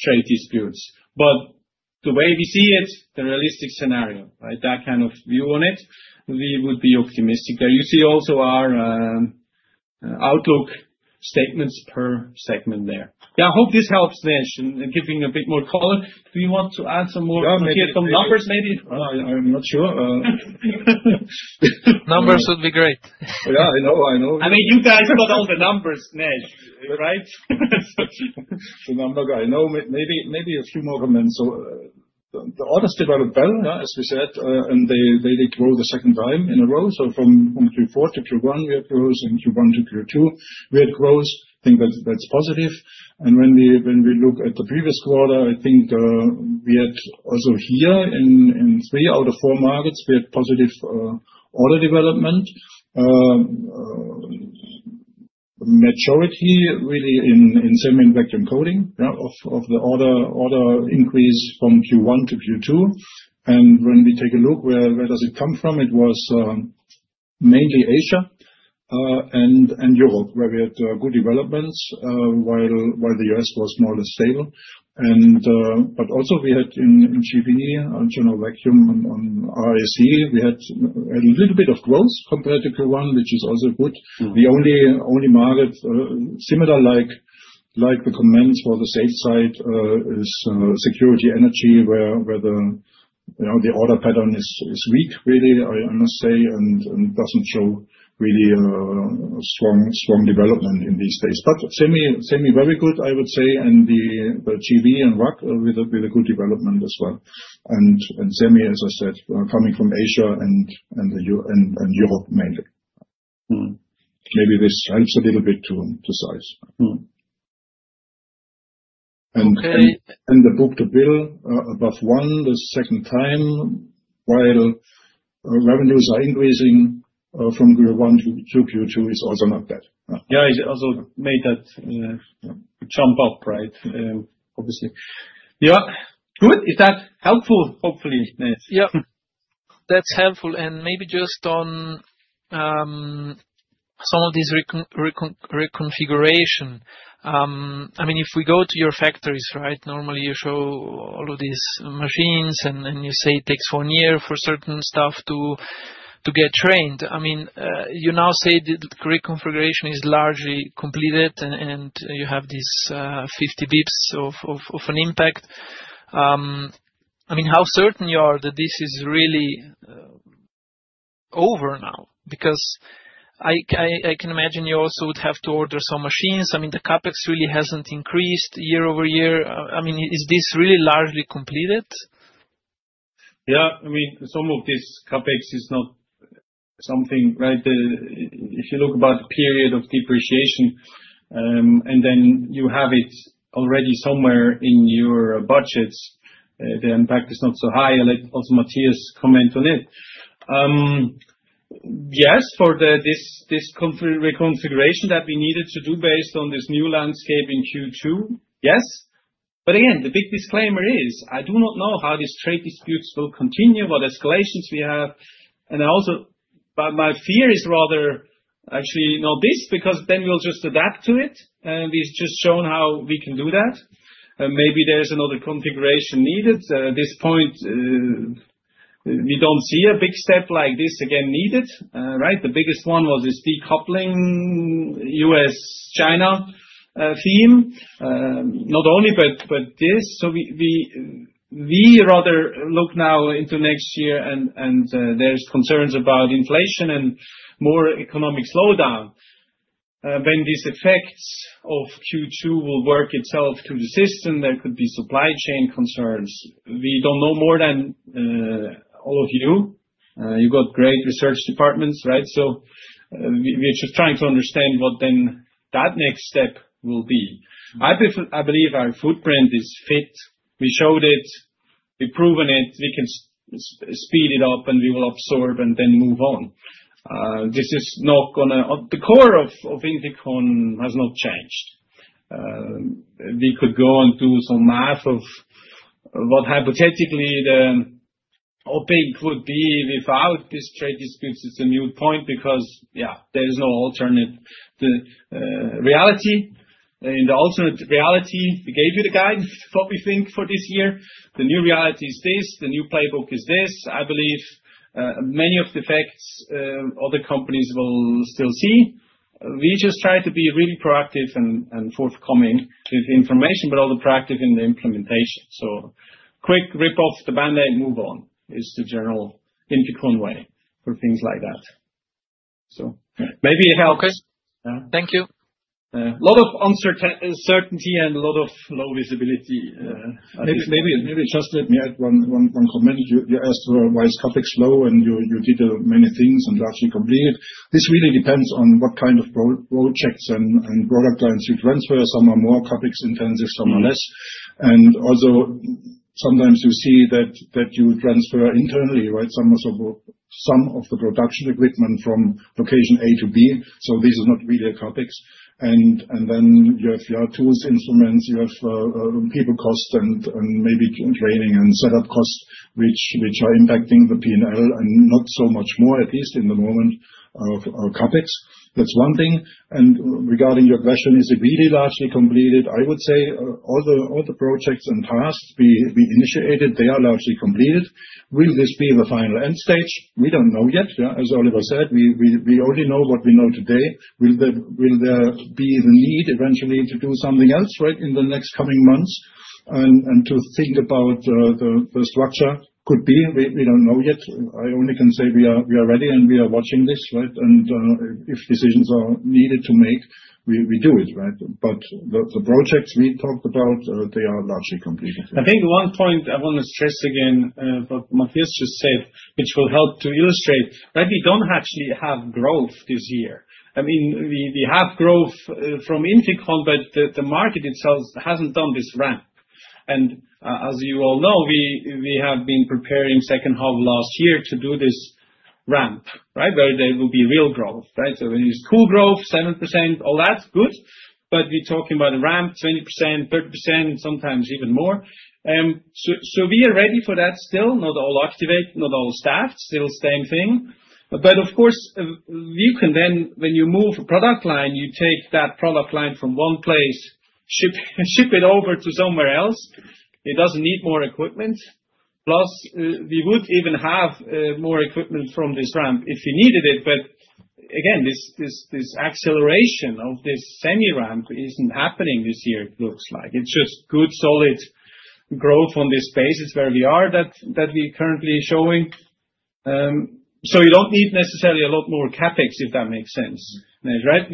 trade disputes. The way we see it, the realistic scenario, that kind of view on it, we would be optimistic there. You see also our outlook statements per segment there. I hope this helps, Nejc, in giving a bit more color. Do you want to add some more? Yeah, Matthias. Some numbers maybe? I'm not sure. Numbers would be great. I know. I know. I mean, you guys got all the numbers, Nejc, right? Yes, that's true. The numbers, I know. Maybe a few more comments. The orders developed better, yeah, as we said, and they did grow the second time in a row. From Q4 to Q1, we had growth, and Q1 to Q2, we had growth. I think that's positive. When we look at the previous quarter, I think we had also here in three out of four markets, we had positive order development. Majority really in semi and vacuum coating, yeah, of the order increase from Q1 to Q2. When we take a look, where does it come from? It was mainly Asia and Europe, where we had good developments, while the U.S. was more or less stable. Also, we had in GBE, general vacuum, and on RSC, we had a little bit of growth compared to Q1, which is also good. The only market, similar like the comments for the safe side, is security energy, where the order pattern is weak, really, I must say, and doesn't show really strong development in these days. Semi very good, I would say, and the GBE and WAC with a good development as well. Semi, as I said, coming from Asia and Europe mainly. Maybe this helps a little bit to size. The book-to-bill above one the second time, while revenues are increasing from Q1 to Q2, is also not bad. Yeah, it also made that jump up, right? Obviously. Yeah. Good. Is that helpful? Hopefully, Nejc. Yeah, that's helpful. Maybe just on some of these reconfigurations. If we go to your factories, right, normally you show all of these machines and you say it takes one year for certain stuff to get trained. You now say that the reconfiguration is largely completed and you have these 50 bps of an impact. How certain are you that this is really over now? I can imagine you also would have to order some machines. The CapEx really hasn't increased year-over-year. Is this really largely completed? Yeah. I mean, some of this CapEx is not something, right? If you look about the period of depreciation, and then you have it already somewhere in your budgets, the impact is not so high. I'll let also Matthias comment on it. Yes, for this reconfiguration that we needed to do based on this new landscape in Q2, yes. The big disclaimer is I do not know how these trade disputes will continue, what escalations we have. My fear is rather actually not this because then we'll just adapt to it. We've just shown how we can do that. Maybe there's another configuration needed. At this point, we don't see a big step like this again needed, right? The biggest one was this decoupling U.S.-China theme, not only, but this. We rather look now into next year and there's concerns about inflation and more economic slowdown. When these effects of Q2 will work itself through the system, there could be supply chain concerns. We don't know more than all of you do. You've got great research departments, right? We're just trying to understand what then that next step will be. I believe our footprint is fit. We showed it. We've proven it. We can speed it up and we will absorb and then move on. This is not going to the core of INFICON has not changed. We could go and do some math of what hypothetically the OpEx would be without these trade disputes. It's a new point because, yeah, there's no alternate reality, and the alternate reality, we gave you the guidance for what we think for this year. The new reality is this. The new playbook is this. I believe many of the facts other companies will still see. We just try to be really proactive and forthcoming with information, but also proactive in the implementation. Quick rip-off the band-aid, move on is the general INFICON way for things like that. Maybe it helps. Okay, yeah, thank you. A lot of uncertainty and a lot of low visibility. Maybe just let me add one comment. You asked why is CapEx low and you did many things and largely completed it. This really depends on what kind of projects and product lines you transfer. Some are more CapEx intensive, some are less. Also, sometimes you see that you transfer internally, right? Some of the production equipment from location A to B. This is not really a CapEx. Then you have your tools, instruments, you have people costs, and maybe training and setup costs, which are impacting the P&L and not so much more, at least in the moment of CapEx. That's one thing. Regarding your question, is it really largely completed? I would say all the projects and tasks we initiated, they are largely completed. Will this be the final end stage? We don't know yet. As Oliver said, we only know what we know today. Will there be the need eventually to do something else, right, in the next coming months and to think about the structure? Could be. We don't know yet. I only can say we are ready and we are watching this, right? If decisions are needed to make, we do it, right? The projects we talked about, they are largely completed. I think one point I want to stress again, what Matthias just said, which will help to illustrate, right? We don't actually have growth this year. I mean, we have growth from INFICON, but the market itself hasn't done this ramp. As you all know, we have been preparing second half of last year to do this ramp, right, where there will be real growth, right? When you use cool growth, 7%, all that, good. We're talking about a ramp, 20%, 30%, sometimes even more. We are ready for that still. Not all activate, not all staffed, still same thing. Of course, you can then, when you move a product line, you take that product line from one place, ship it over to somewhere else. It doesn't need more equipment. Plus, we would even have more equipment from this ramp if we needed it. Again, this acceleration of this semi-ramp isn't happening this year, it looks like. It's just good, solid growth on this basis where we are that we're currently showing. You don't need necessarily a lot more CapEx, if that makes sense, right?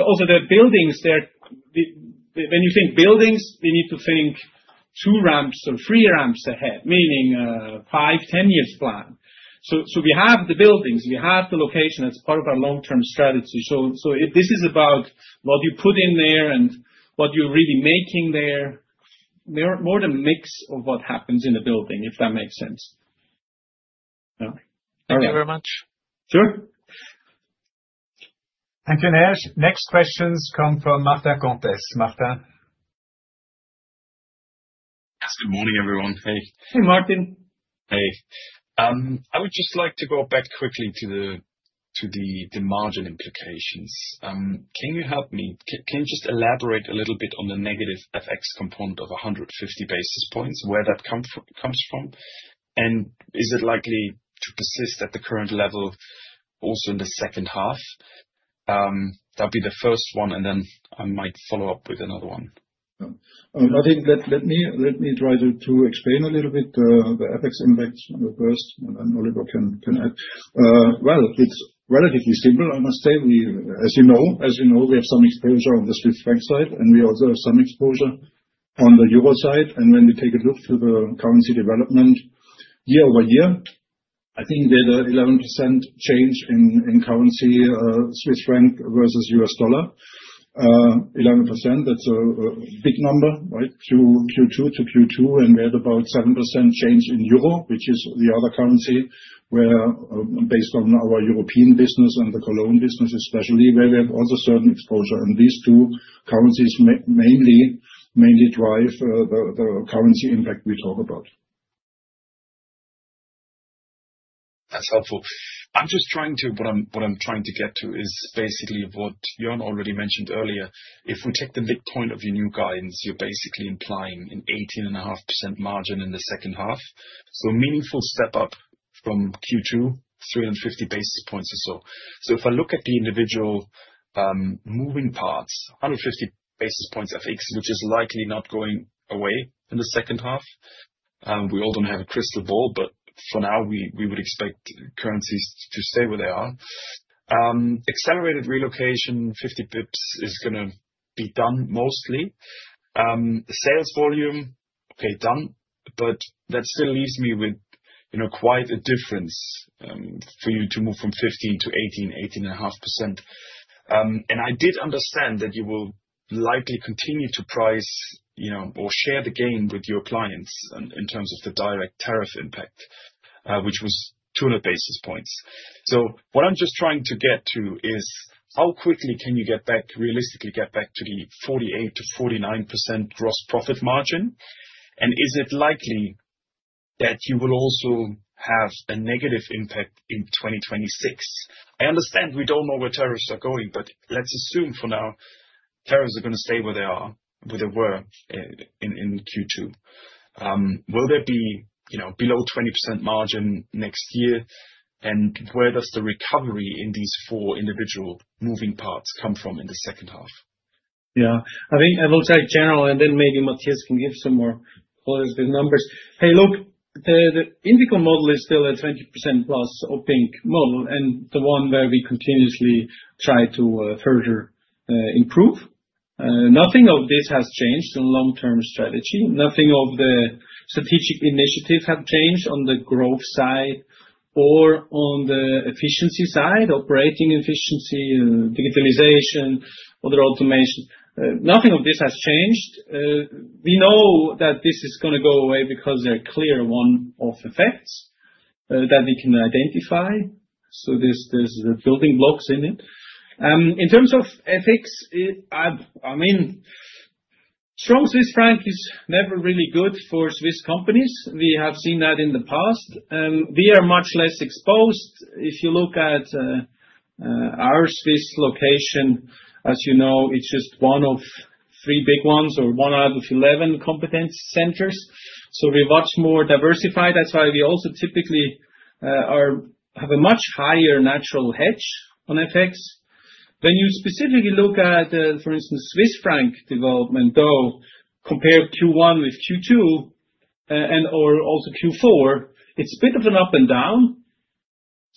Also, the buildings there, when you think buildings, we need to think two ramps or three ramps ahead, meaning a 5, 10 years plan. We have the buildings. We have the location. That's part of our long-term strategy. This is about what you put in there and what you're really making there, more than a mix of what happens in the building, if that makes sense. Thank you very much. Sure. Thank you, Nash. Next questions come from Martin Comtesse. Martin? Yes. Good morning, everyone. Hey. Hey, Martin. I would just like to go back quickly to the margin implications. Can you help me? Can you just elaborate a little bit on the negative FX component of 150 basis points, where that comes from? Is it likely to persist at the current level also in the second half? That would be the first one, and then I might follow up with another one. I think let me try to explain a little bit the FX index first, and then Oliver can add. It's relatively simple, I must say. As you know, we have some exposure on the Swiss franc side, and we also have some exposure on the euro side. When we take a look to the currency development year-over-year, I think we had an 11% change in currency, Swiss franc versus U.S. dollar. 11%, that's a big number, right? Q2 to Q2, and we had about 7% change in euro, which is the other currency where, based on our European business and the Cologne business especially, we have also certain exposure. These two currencies mainly drive the currency impact we talk about. That's helpful. I'm just trying to get to what Joern already mentioned earlier. If we take the midpoint of your new guidance, you're basically implying an 18.5% margin in the second half, so a meaningful step up from Q2, 350 basis points or so. If I look at the individual moving parts, 150 basis points FX, which is likely not going away in the second half. We all don't have a crystal ball, but for now, we would expect currencies to stay where they are. Accelerated relocation, 50 bps is going to be done mostly. Sales volume, okay, done, but that still leaves me with quite a difference for you to move from 15% to 18%, 18.5%. I did understand that you will likely continue to price, or share the gain with your clients in terms of the direct tariff impact, which was 200 basis points. What I'm just trying to get to is how quickly can you get back, realistically get back to the 48%-49% gross profit margin? Is it likely that you will also have a negative impact in 2026? I understand we don't know where tariffs are going, but let's assume for now tariffs are going to stay where they are, where they were in Q2. Will there be below 20% margin next year? Where does the recovery in these four individual moving parts come from in the second half? Yeah. I think I looked at general, and then maybe Matthias can give some more qualitative numbers. Hey, look, the INFICON model is still a 20%+ opaque model, and the one where we continuously try to further improve. Nothing of this has changed in long-term strategy. Nothing of the strategic initiatives have changed on the growth side or on the efficiency side, operating efficiency, digitalization, other automation. Nothing of this has changed. We know that this is going to go away because there are clear one-off effects that we can identify. So there's the building blocks in it. In terms of FX, I mean, strong Swiss franc is never really good for Swiss companies. We have seen that in the past. We are much less exposed. If you look at our Swiss location, as you know, it's just one of three big ones or one out of 11 competence centers. So we are much more diversified. That's why we also typically have a much higher natural hedge on FX. When you specifically look at, for instance, Swiss franc development, though, compare Q1 with Q2, and/or also Q4, it's a bit of an up and down.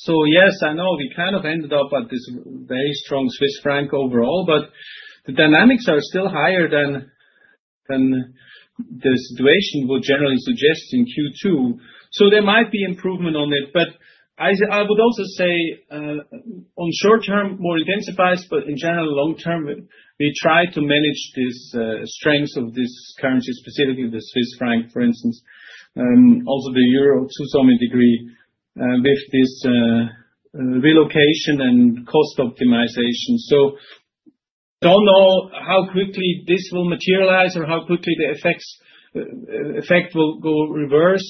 Yes, I know we kind of ended up at this very strong Swiss franc overall, but the dynamics are still higher than the situation we generally suggest in Q2. There might be improvement on it. I would also say, on short term, more intensifies, but in general, long term, we try to manage this, strengths of this currency, specifically the Swiss franc, for instance, also the euro to some degree, with this relocation and cost optimization. I don't know how quickly this will materialize or how quickly the effect will go reverse.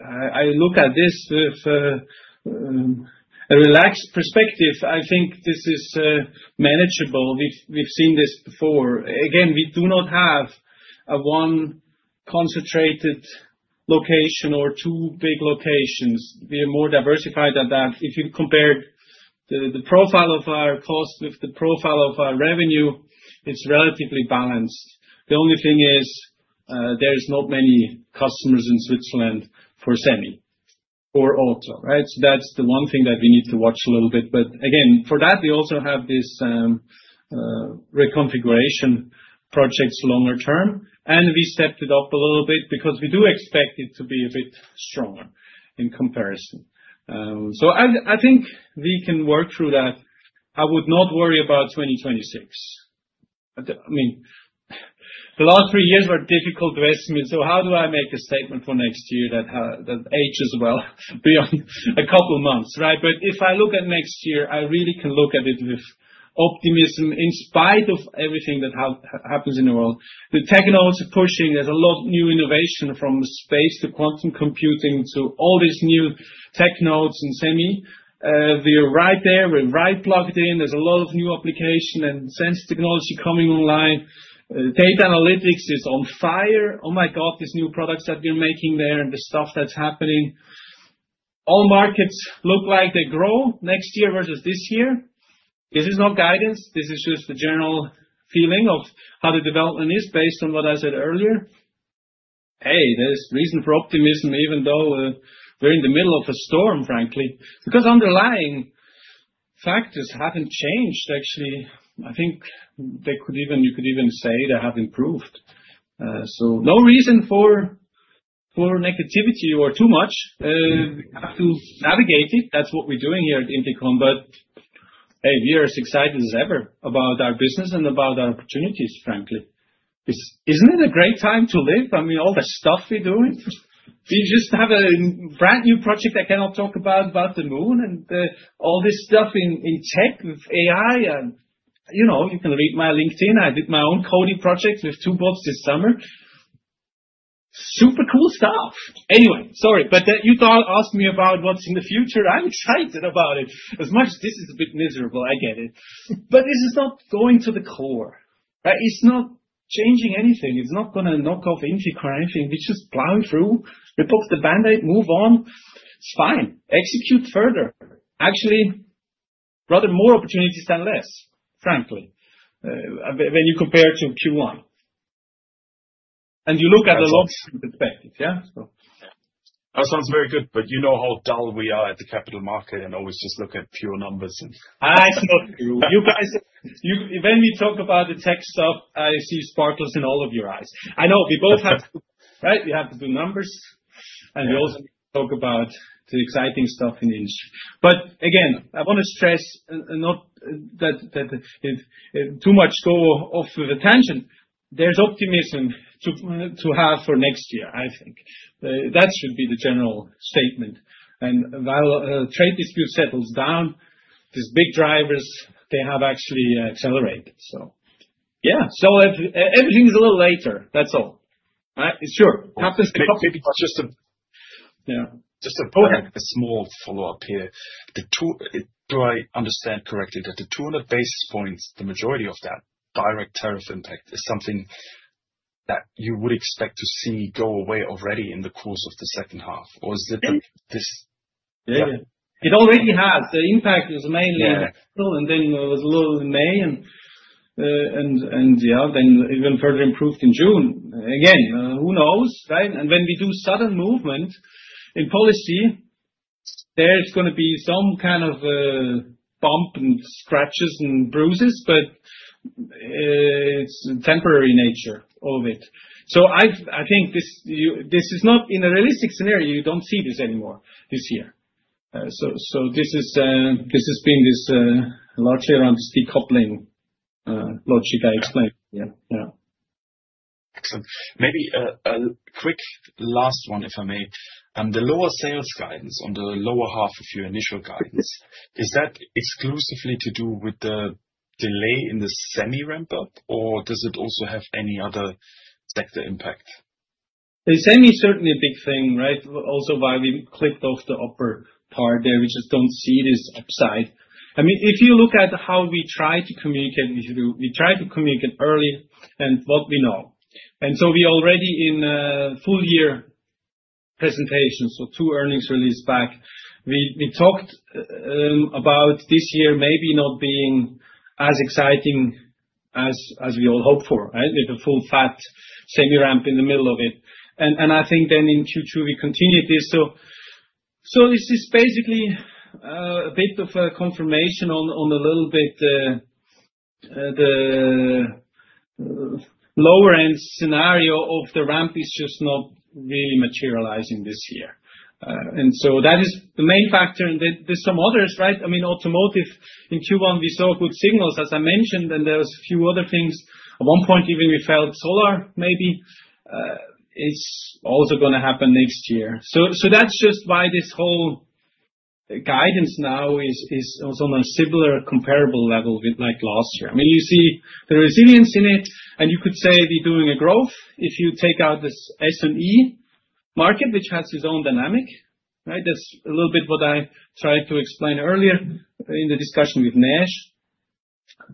I look at this with a relaxed perspective. I think this is manageable. We've seen this before. Again, we do not have a one concentrated location or two big locations. We are more diversified than that. If you compare the profile of our cost with the profile of our revenue, it's relatively balanced. The only thing is, there's not many customers in Switzerland for semi or auto, right? That's the one thing that we need to watch a little bit. Again, for that, we also have this reconfiguration projects longer term. We stepped it up a little bit because we do expect it to be a bit stronger in comparison. I think we can work through that. I would not worry about 2026. I mean, the last three years were difficult to estimate. How do I make a statement for next year that ages well beyond a couple of months, right? If I look at next year, I really can look at it with optimism in spite of everything that happens in the world. The tech nodes are pushing. There's a lot of new innovation from space to quantum computing to all these new tech nodes and semi. We are right there. We're right plugged in. There's a lot of new applications and sense technology coming online. Data analytics is on fire. Oh my God, these new products that we're making there and the stuff that's happening. All markets look like they grow next year versus this year. This is not guidance. This is just the general feeling of how the development is based on what I said earlier. Hey, there's reason for optimism even though we're in the middle of a storm, frankly. Because underlying factors haven't changed, actually. I think they could even, you could even say they have improved. No reason for negativity or too much. We have to navigate it. That's what we're doing here at INFICON. We are as excited as ever about our business and about our opportunities, frankly. Isn't it a great time to live? I mean, all the stuff we're doing. We just have a brand new project I cannot talk about, about the moon and all this stuff in tech with AI. You can read my LinkedIn. I did my own coding project with two bots this summer. Super cool stuff. Anyway, sorry. You asked me about what's in the future. I'm excited about it as much. This is a bit miserable. I get it. This is not going to the core. Right? It's not changing anything. It's not going to knock off INFICON or anything. We just plow through. We poked the bandaid. Move on. It's fine. Execute further. Actually, rather more opportunities than less, frankly, when you compare to Q1. You look at the long-term perspective, yeah? That sounds very good. You know how dull we are at the capital market and always just look at pure numbers. I know. You guys, when we talk about the tech stuff, I see sparkles in all of your eyes. I know. We both have to, right? We have to do numbers, and we also talk about the exciting stuff in the industry. I want to stress that if too much goes off with the tangent, there's optimism to have for next year, I think. That should be the general statement. While trade disputes settle down, these big drivers have actually accelerated. Everything is a little later, that's all. Right? Sure. Happens to come. Just go ahead. A small follow-up here. Do I understand correctly that the 200 basis points, the majority of that direct tariff impact is something that you would expect to see go away already in the course of the second half? Or is it that this? Yeah. It already has. The impact was mainly in April, and then it was low in May. Then it even further improved in June. Again, who knows, right? When we do sudden movements in policy, there's going to be some kind of bump and scratches and bruises, but it's a temporary nature of it. I think this is not in a realistic scenario. You don't see this anymore this year. This has been this, largely around the decoupling logic I explained. Yeah. Excellent. Maybe a quick last one, if I may. The lower sales guidance on the lower half of your initial guidance, is that exclusively to do with the delay in the semi ramp-up, or does it also have any other sector impact? The semi is certainly a big thing, right? Also why we clicked off the upper part there. We just don't see this upside. I mean, if you look at how we try to communicate with you, we try to communicate early and what we know. We already in a full-year presentation, so two earnings releases back, we talked about this year maybe not being as exciting as we all hoped for, with a full-fat semi ramp in the middle of it. I think then in Q2, we continued this. This is basically a bit of a confirmation on a little bit, the lower-end scenario of the ramp is just not really materializing this year. That is the main factor. There's some others, right? I mean, automotive in Q1, we saw good signals, as I mentioned. There were a few other things. At one point, even we felt solar maybe is also going to happen next year. That's just why this whole guidance now is also on a similar comparable level with last year. I mean, you see the resilience in it, and you could say we're doing a growth if you take out this semi market, which has its own dynamic, right? That's a little bit what I tried to explain earlier in the discussion with Nash.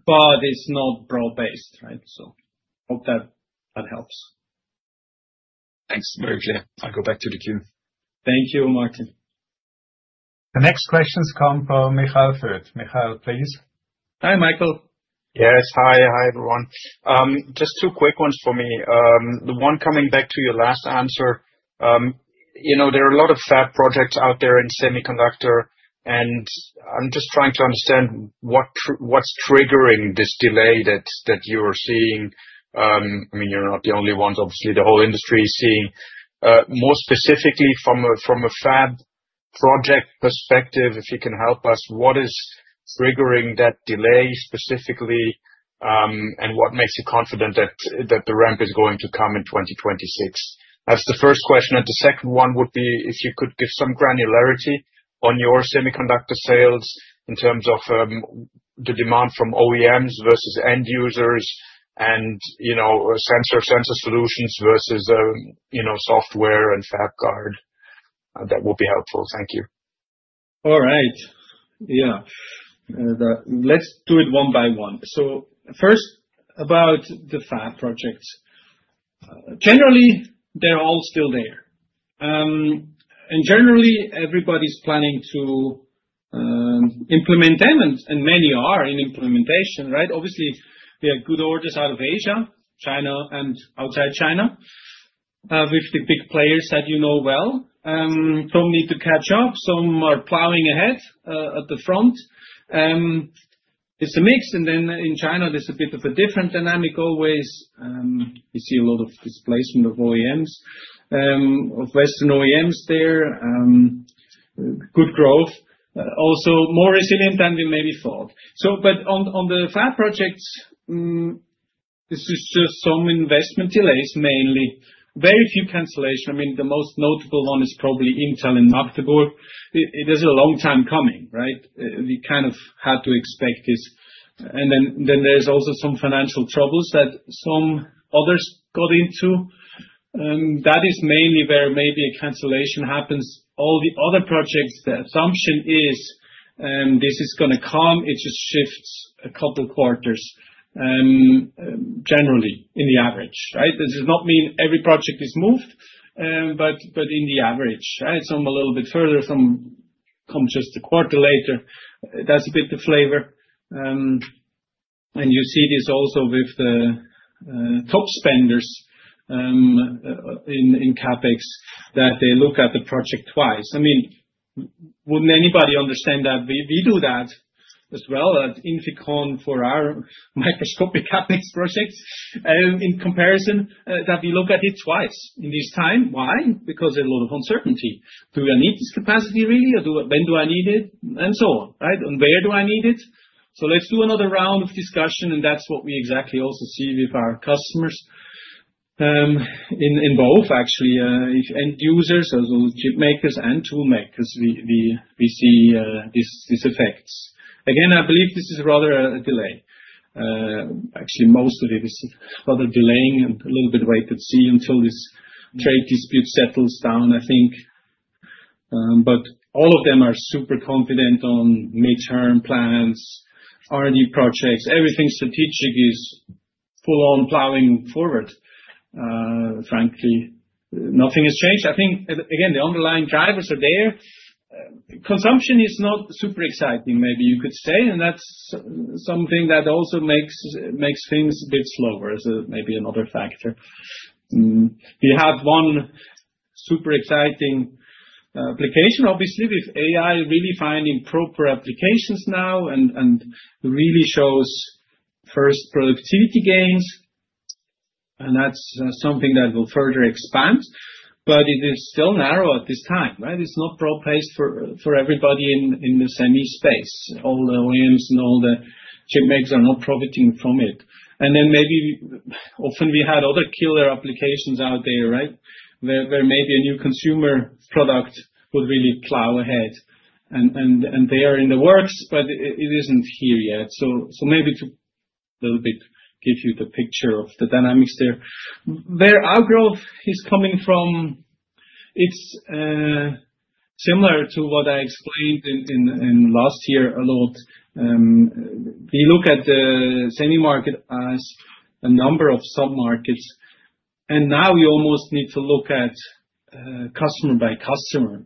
It's not broad-based, right? I hope that helps. Thanks, very clear. I'll go back to the queue. Thank you, Martin. The next questions come from Michael Foeth. Michael, please. Hi, Michael. Yes. Hi. Hi, everyone. Just two quick ones for me. The one coming back to your last answer, you know there are a lot of fab projects out there in semiconductor, and I'm just trying to understand what's triggering this delay that you are seeing. I mean, you're not the only ones. Obviously, the whole industry is seeing it. More specifically, from a fab project perspective, if you can help us, what is triggering that delay specifically, and what makes you confident that the ramp is going to come in 2026? That's the first question. The second one would be if you could give some granularity on your semiconductor sales in terms of the demand from OEMs versus end users and, you know, sensor solutions versus, you know, software and FabGuard. That would be helpful. Thank you. All right. Yeah. Let's do it one by one. First, about the fab projects. Generally, they're all still there, and generally, everybody's planning to implement them, and many are in implementation, right? Obviously, we have good orders out of Asia, China, and outside China, with the big players that you know well. Some need to catch up. Some are plowing ahead at the front. It's a mix. In China, there's a bit of a different dynamic always. You see a lot of displacement of OEMs, of Western OEMs there. Good growth, also more resilient than we maybe thought. On the fab projects, this is just some investment delays mainly. Very few cancellations. I mean, the most notable one is probably Intel in Magdeburg. It is a long time coming, right? We kind of had to expect this. There's also some financial troubles that some others got into. That is mainly where maybe a cancellation happens. All the other projects, the assumption is, this is going to come. It just shifts a couple of quarters, generally, in the average, right? This does not mean every project is moved, but in the average, right? Some are a little bit further, some come just a quarter later. That's a bit the flavor. You see this also with the top spenders in CapEx, that they look at the project twice. I mean, wouldn't anybody understand that we do that as well, that INFICON for our microscopic CapEx projects in comparison, that we look at it twice in this time. Why? Because there's a lot of uncertainty. Do I need this capacity really, or when do I need it, and so on, right? And where do I need it? Let's do another round of discussion, and that's what we exactly also see with our customers. In both, actually, if end users or chip makers and tool makers, we see these effects. Again, I believe this is rather a delay. Actually, most of it is rather delaying and a little bit wait and see until this trade dispute settles down, I think. All of them are super confident on midterm plans, R&D projects. Everything strategic is full-on plowing forward. Frankly, nothing has changed. I think, again, the underlying drivers are there. Consumption is not super exciting, maybe you could say. That's something that also makes things a bit slower as maybe another factor. We have one super exciting application, obviously, with AI really finding proper applications now and really shows first productivity gains. That's something that will further expand, but it is still narrow at this time, right? It's not broad-based for everybody in the semi space. All the OEMs and all the chip makers are not profiting from it. Maybe often we had other killer applications out there, where maybe a new consumer product would really plow ahead, and they are in the works, but it isn't here yet. Maybe to give you a little bit of the picture of the dynamics there, where our growth is coming from, it's similar to what I explained last year a lot. We look at the semi market as a number of submarkets, and now we almost need to look at customer by customer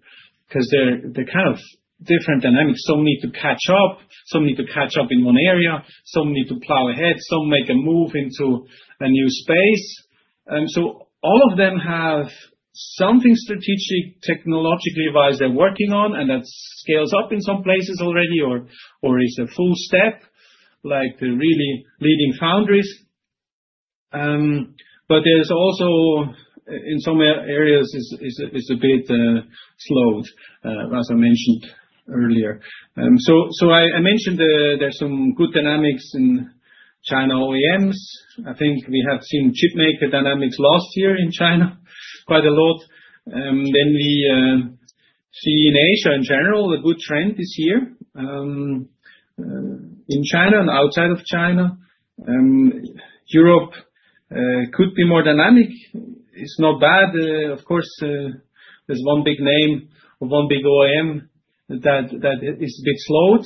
because there are kind of different dynamics. Some need to catch up in one area, some need to plow ahead, some make a move into a new space, and all of them have something strategic, technology-wise, they're working on, and that scales up in some places already or is a full step like the really leading foundries. There's also, in some areas, a bit slowed, as I mentioned earlier. I mentioned there's some good dynamics in China OEMs. I think we have seen chip maker dynamics last year in China quite a lot. We see in Asia in general a good trend this year, in China and outside of China. Europe could be more dynamic. It's not bad. Of course, there's one big name or one big OEM that is a bit slowed,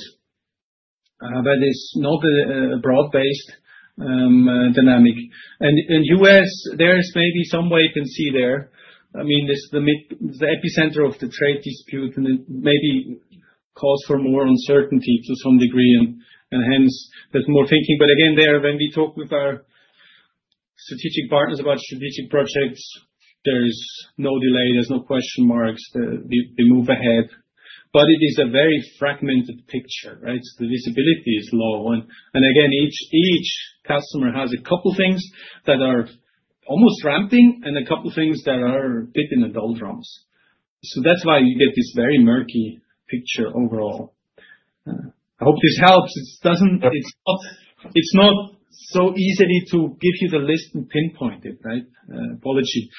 but it's not a broad-based dynamic. In the U.S., there's maybe some way you can see there. It's the epicenter of the trade dispute and maybe calls for more uncertainty to some degree, and hence, there's more thinking. Again, when we talk with our strategic partners about strategic projects, there's no delay, there's no question marks. They move ahead. It is a very fragmented picture, right? The visibility is low, and again, each customer has a couple of things that are almost ramping and a couple of things that are a bit in the doldrums. That's why you get this very murky picture overall. I hope this helps. It's not so easy to give you the list and pinpoint it, right? Apologies.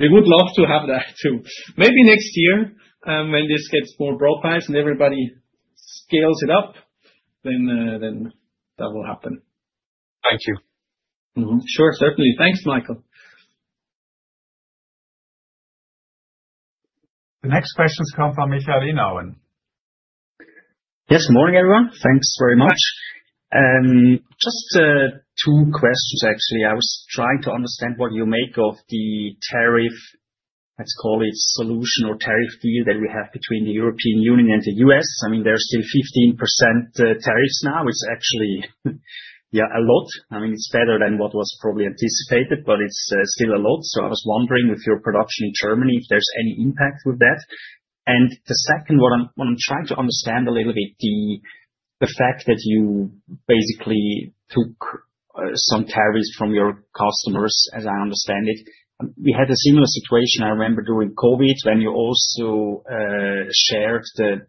We would love to have that too. Maybe next year, when this gets more broad-based and everybody scales it up, then that will happen. Thank you. Sure. Certainly. Thanks, Michael. The next questions come from Michael Inauen. Yes. Morning, everyone. Thanks very much. Just, two questions, actually. I was trying to understand what you make of the tariff, let's call it solution or tariff deal that we have between the European Union and the U.S. I mean, there's still 15% tariffs now, which is actually, yeah, a lot. I mean, it's better than what was probably anticipated, but it's still a lot. I was wondering with your production in Germany if there's any impact with that. The second, what I'm trying to understand a little bit, the fact that you basically took some tariffs from your customers, as I understand it. We had a similar situation, I remember, during COVID when you also shared the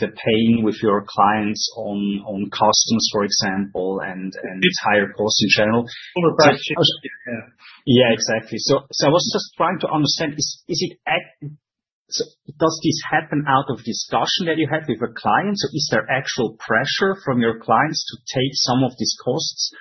pain with your clients on customs, for example, and higher costs in general. Over budget. Exactly. I was just trying to understand, does this happen out of discussion that you had with your clients? Is there actual pressure from your clients to take some of these costs,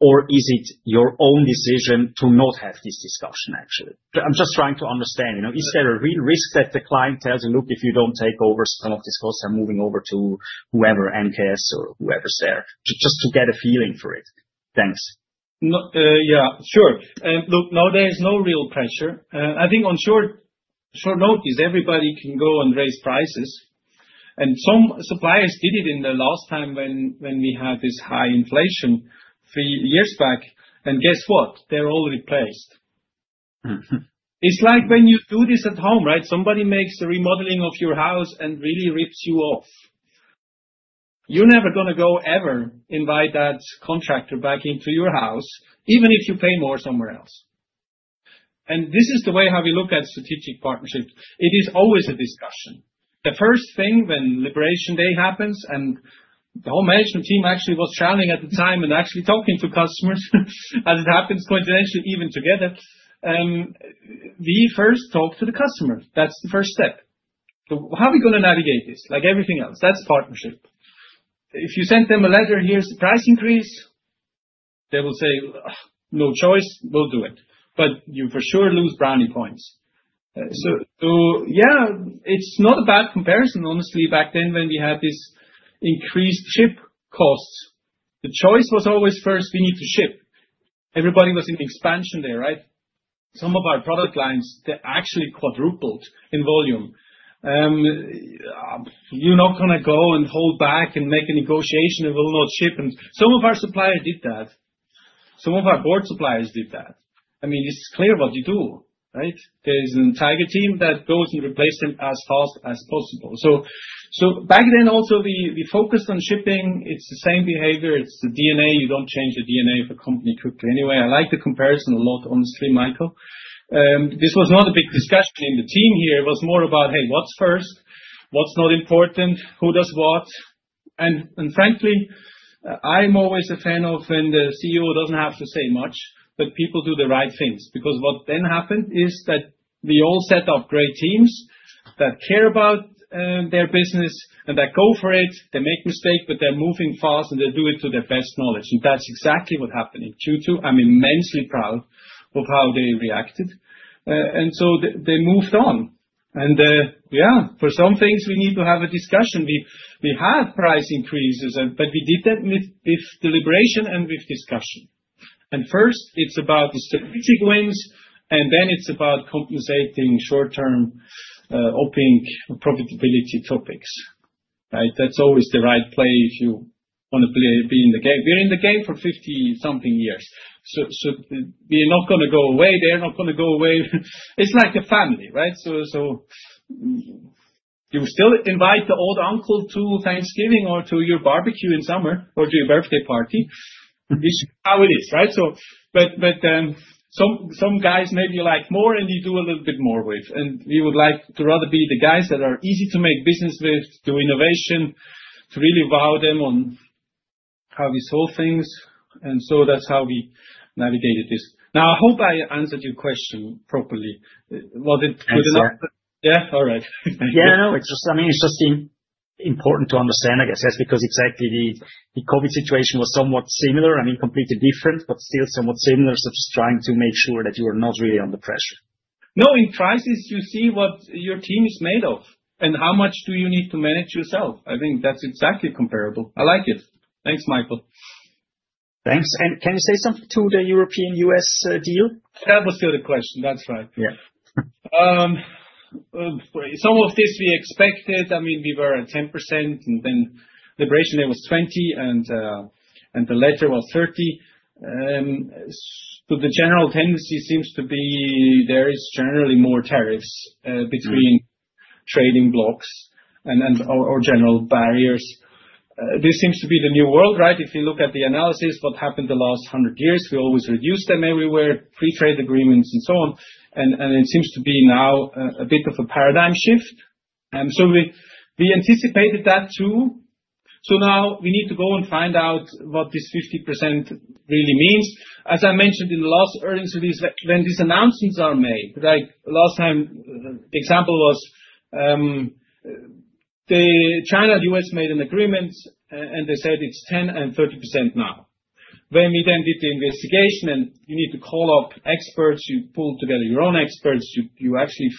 or is it your own decision to not have this discussion, actually? I'm just trying to understand. Is there a real risk that the client tells you, "Look, if you don't take over some of these costs, I'm moving over to whoever, MKS or whoever's there," just to get a feeling for it? Thanks. Yeah. Sure. Now there's no real pressure. I think on short notice, everybody can go and raise prices. Some suppliers did it in the last time when we had this high inflation three years back. Guess what? They're all replaced. It's like when you do this at home, right? Somebody makes the remodeling of your house and really rips you off. You're never going to ever invite that contractor back into your house, even if you pay more somewhere else. This is the way how we look at strategic partnerships. It is always a discussion. The first thing when Liberation Day happens, and the whole management team actually was shouting at the time and actually talking to customers, as it happens coincidentally even together, we first talk to the customer. That's the first step. How are we going to navigate this? Like everything else. That's partnership. If you send them a letter, "Here's the price increase," they will say, "No choice. We'll do it." You for sure lose brownie points. It's not a bad comparison, honestly, back then when we had these increased ship costs. The choice was always first, we need to ship. Everybody was in expansion there, right? Some of our product lines, they actually quadrupled in volume. You're not going to go and hold back and make a negotiation and will not ship. Some of our suppliers did that. Some of our board suppliers did that. It's clear what you do, right? There's a Tiger team that goes and replaced them as fast as possible. Back then also we focused on shipping. It's the same behavior. It's the DNA. You don't change the DNA of a company quickly. Anyway, I like the comparison a lot, honestly, Michael. This was not a big discussion in the team here. It was more about, "Hey, what's first? What's not important? Who does what?" Frankly, I'm always a fan of when the CEO doesn't have to say much, but people do the right things. What then happened is that we all set up great teams that care about their business and that go for it. They make mistakes, but they're moving fast and they do it to their best knowledge. That's exactly what happened in Q2. I'm immensely proud of how they reacted. They moved on. For some things, we need to have a discussion. We had price increases, but we did that with deliberation and with discussion. First, it's about the strategic wins, and then it's about compensating short-term, opening profitability topics, right? That's always the right play if you want to be in the game. We're in the game for 50-something years, so we're not going to go away. They're not going to go away. It's like a family, right? You still invite the old uncle to Thanksgiving or to your barbecue in summer or to your birthday party. This is how it is, right? Some guys maybe like more and they do a little bit more with. We would like to rather be the guys that are easy to make business with, do innovation, to really wow them on how we solve things. That's how we navigated this. I hope I answered your question properly. Was it good enough? Yeah. Yeah, all right. I mean, it's just important to understand, I guess, that's because exactly the COVID situation was somewhat similar. I mean, completely different, but still somewhat similar. Just trying to make sure that you were not really under pressure. No, in crisis, you see what your team is made of and how much you need to manage yourself. I think that's exactly comparable. I like it. Thanks, Michael. Thanks. Can you say something to the European-U.S. deal? That was still the question. That's right. Yeah. Some of this we expected. I mean, we were at 10%, and then Liberation Day was 20%, and the letter was 30%. The general tendency seems to be there is generally more tariffs between trading blocks and or general barriers. This seems to be the new world, right? If you look at the analysis, what happened the last 100 years, we always reduced them everywhere, pre-trade agreements, and so on. It seems to be now a bit of a paradigm shift. We anticipated that too. Now we need to go and find out what this 50% really means. As I mentioned in the last earnings release, when these announcements are made, the last time the example was, the China-U.S. made an agreement, and they said it's 10% and 30% now. When we then did the investigation and you need to call up experts, you pull together your own experts, you actually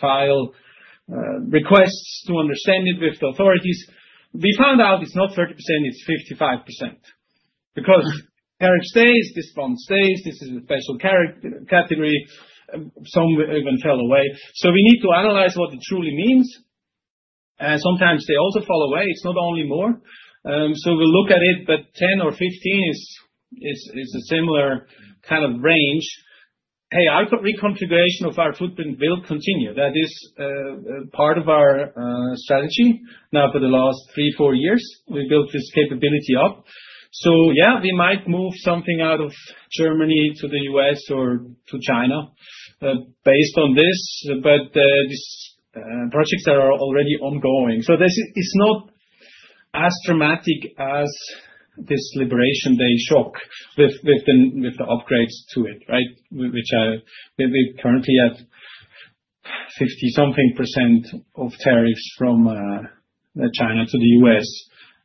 file requests to understand it with the authorities, we found out it's not 30%, it's 55%. Because tariff stays, this bond stays, this is a special category. Some even fell away. We need to analyze what it truly means. Sometimes they also fall away. It's not only more. We will look at it, but 10% or 15% is a similar kind of range. Our reconfiguration of our footprint will continue. That is part of our strategy now for the last three, four years. We built this capability up. We might move something out of Germany to the U.S. or to China, based on this, but these projects are already ongoing. This is not as dramatic as this Liberation Day shock with the upgrades to it, which we currently have 50-something percent of tariffs from China to the U.S.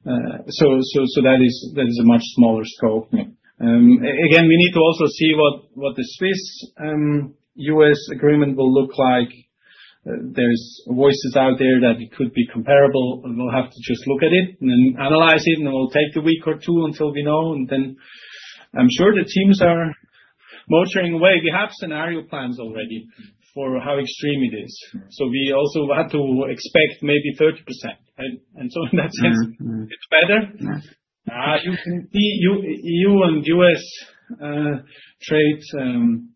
That is a much smaller scope. We need to also see what the Swiss-U.S. agreement will look like. There are voices out there that it could be comparable. We will have to just look at it and then analyze it, and it will take a week or two until we know. I am sure the teams are motoring away. We have scenario plans already for how extreme it is. We also had to expect maybe 30%. In that sense, it's better. You can see EU and U.S. trade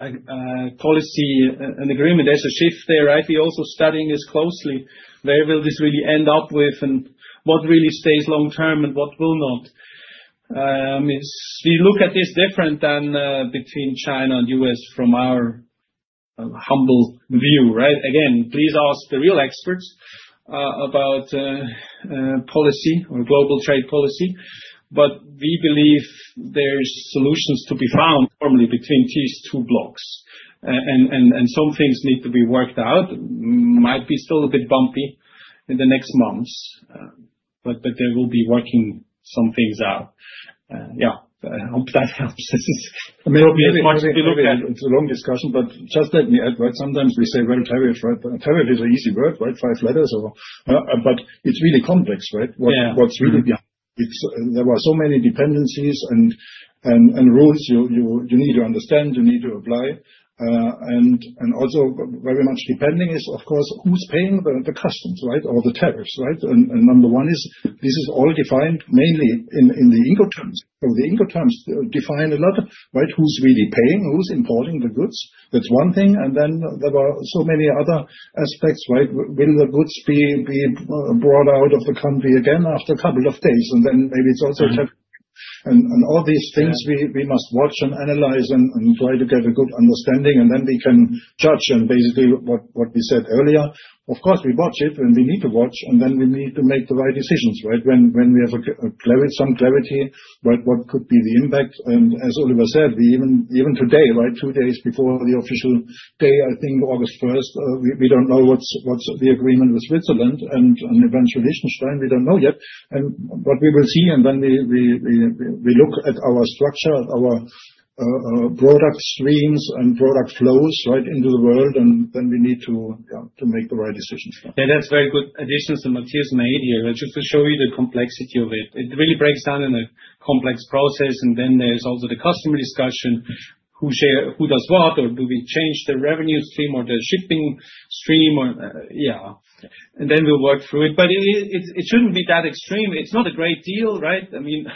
policy and agreement. There's a shift there, right? We are also studying this closely. Where will this really end up with and what really stays long-term and what will not? We look at this different than between China and U.S. from our humble view, right? Please ask the real experts about policy or global trade policy. We believe there are solutions to be found formally between these two blocks, and some things need to be worked out. It might be still a bit bumpy in the next months, but there will be working some things out. Yeah, I hope that helps. It's a long discussion, but just let me add, right? Sometimes we say, "Well, tariffs, right?" A tariff is an easy word, right? Five letters, but it's really complex, right? What's really behind it? There are so many dependencies and rules you need to understand, you need to apply. Also, very much depending is, of course, who's paying the customs, right, or the tariffs, right? Number one is this is all defined mainly in the INCO terms. The INCO terms define a lot, right? Who's really paying? Who's importing the goods? That's one thing. There are so many other aspects, right? Will the goods be brought out of the country again after a couple of days? Maybe it's also a tariff. All these things we must watch and analyze and try to get a good understanding. Then we can judge and basically what we said earlier. Of course, we watch it and we need to watch. We need to make the right decisions, right, when we have some clarity about what could be the impact. As Oliver said, even today, two days before the official day, I think August 1st, we don't know what's the agreement with Switzerland and eventually Liechtenstein. We don't know yet. We will see. Then we look at our structure, at our product streams and product flows, right, into the world. We need to make the right decisions. That's very good additions that Matthias made here, right, just to show you the complexity of it. It really breaks down in a complex process. There's also the customer discussion. Who shares, who does what, or do we change the revenue stream or the shipping stream? We'll work through it. It shouldn't be that extreme. It's not a great deal, right? I mean,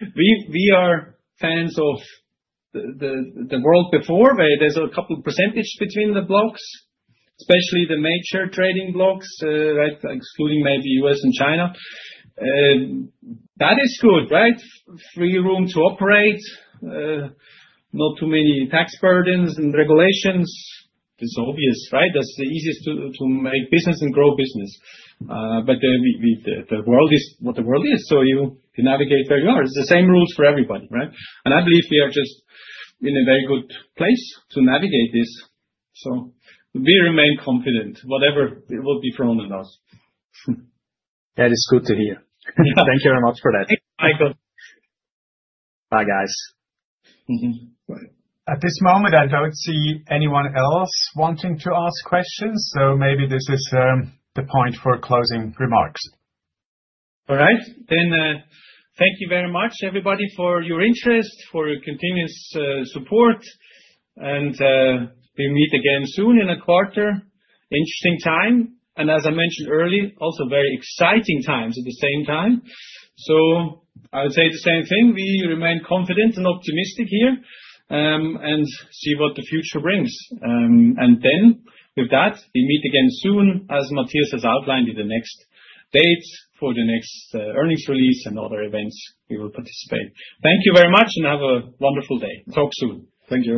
we are fans of the world before, where there's a couple of percntage between the blocks, especially the major trading blocks, right, excluding maybe U.S. and China. That is good, right? Free room to operate, not too many tax burdens and regulations. It's obvious, right? That's the easiest to make business and grow business. The world is what the world is. You can navigate where you are. It's the same rules for everybody, right? I believe we are just in a very good place to navigate this. We remain confident, whatever it will be thrown at us. That is good to hear. Thank you very much for that. Thanks, Michael. Bye, guys. At this moment, I don't see anyone else wanting to ask questions. Maybe this is the point for closing remarks. All right. Thank you very much, everybody, for your interest, for your continuous support. We meet again soon in a quarter. Interesting time. As I mentioned earlier, also very exciting times at the same time. I would say the same thing. We remain confident and optimistic here, and see what the future brings. With that, we meet again soon as Matthias has outlined in the next dates for the next earnings release and other events we will participate. Thank you very much and have a wonderful day. Talk soon. Thank you.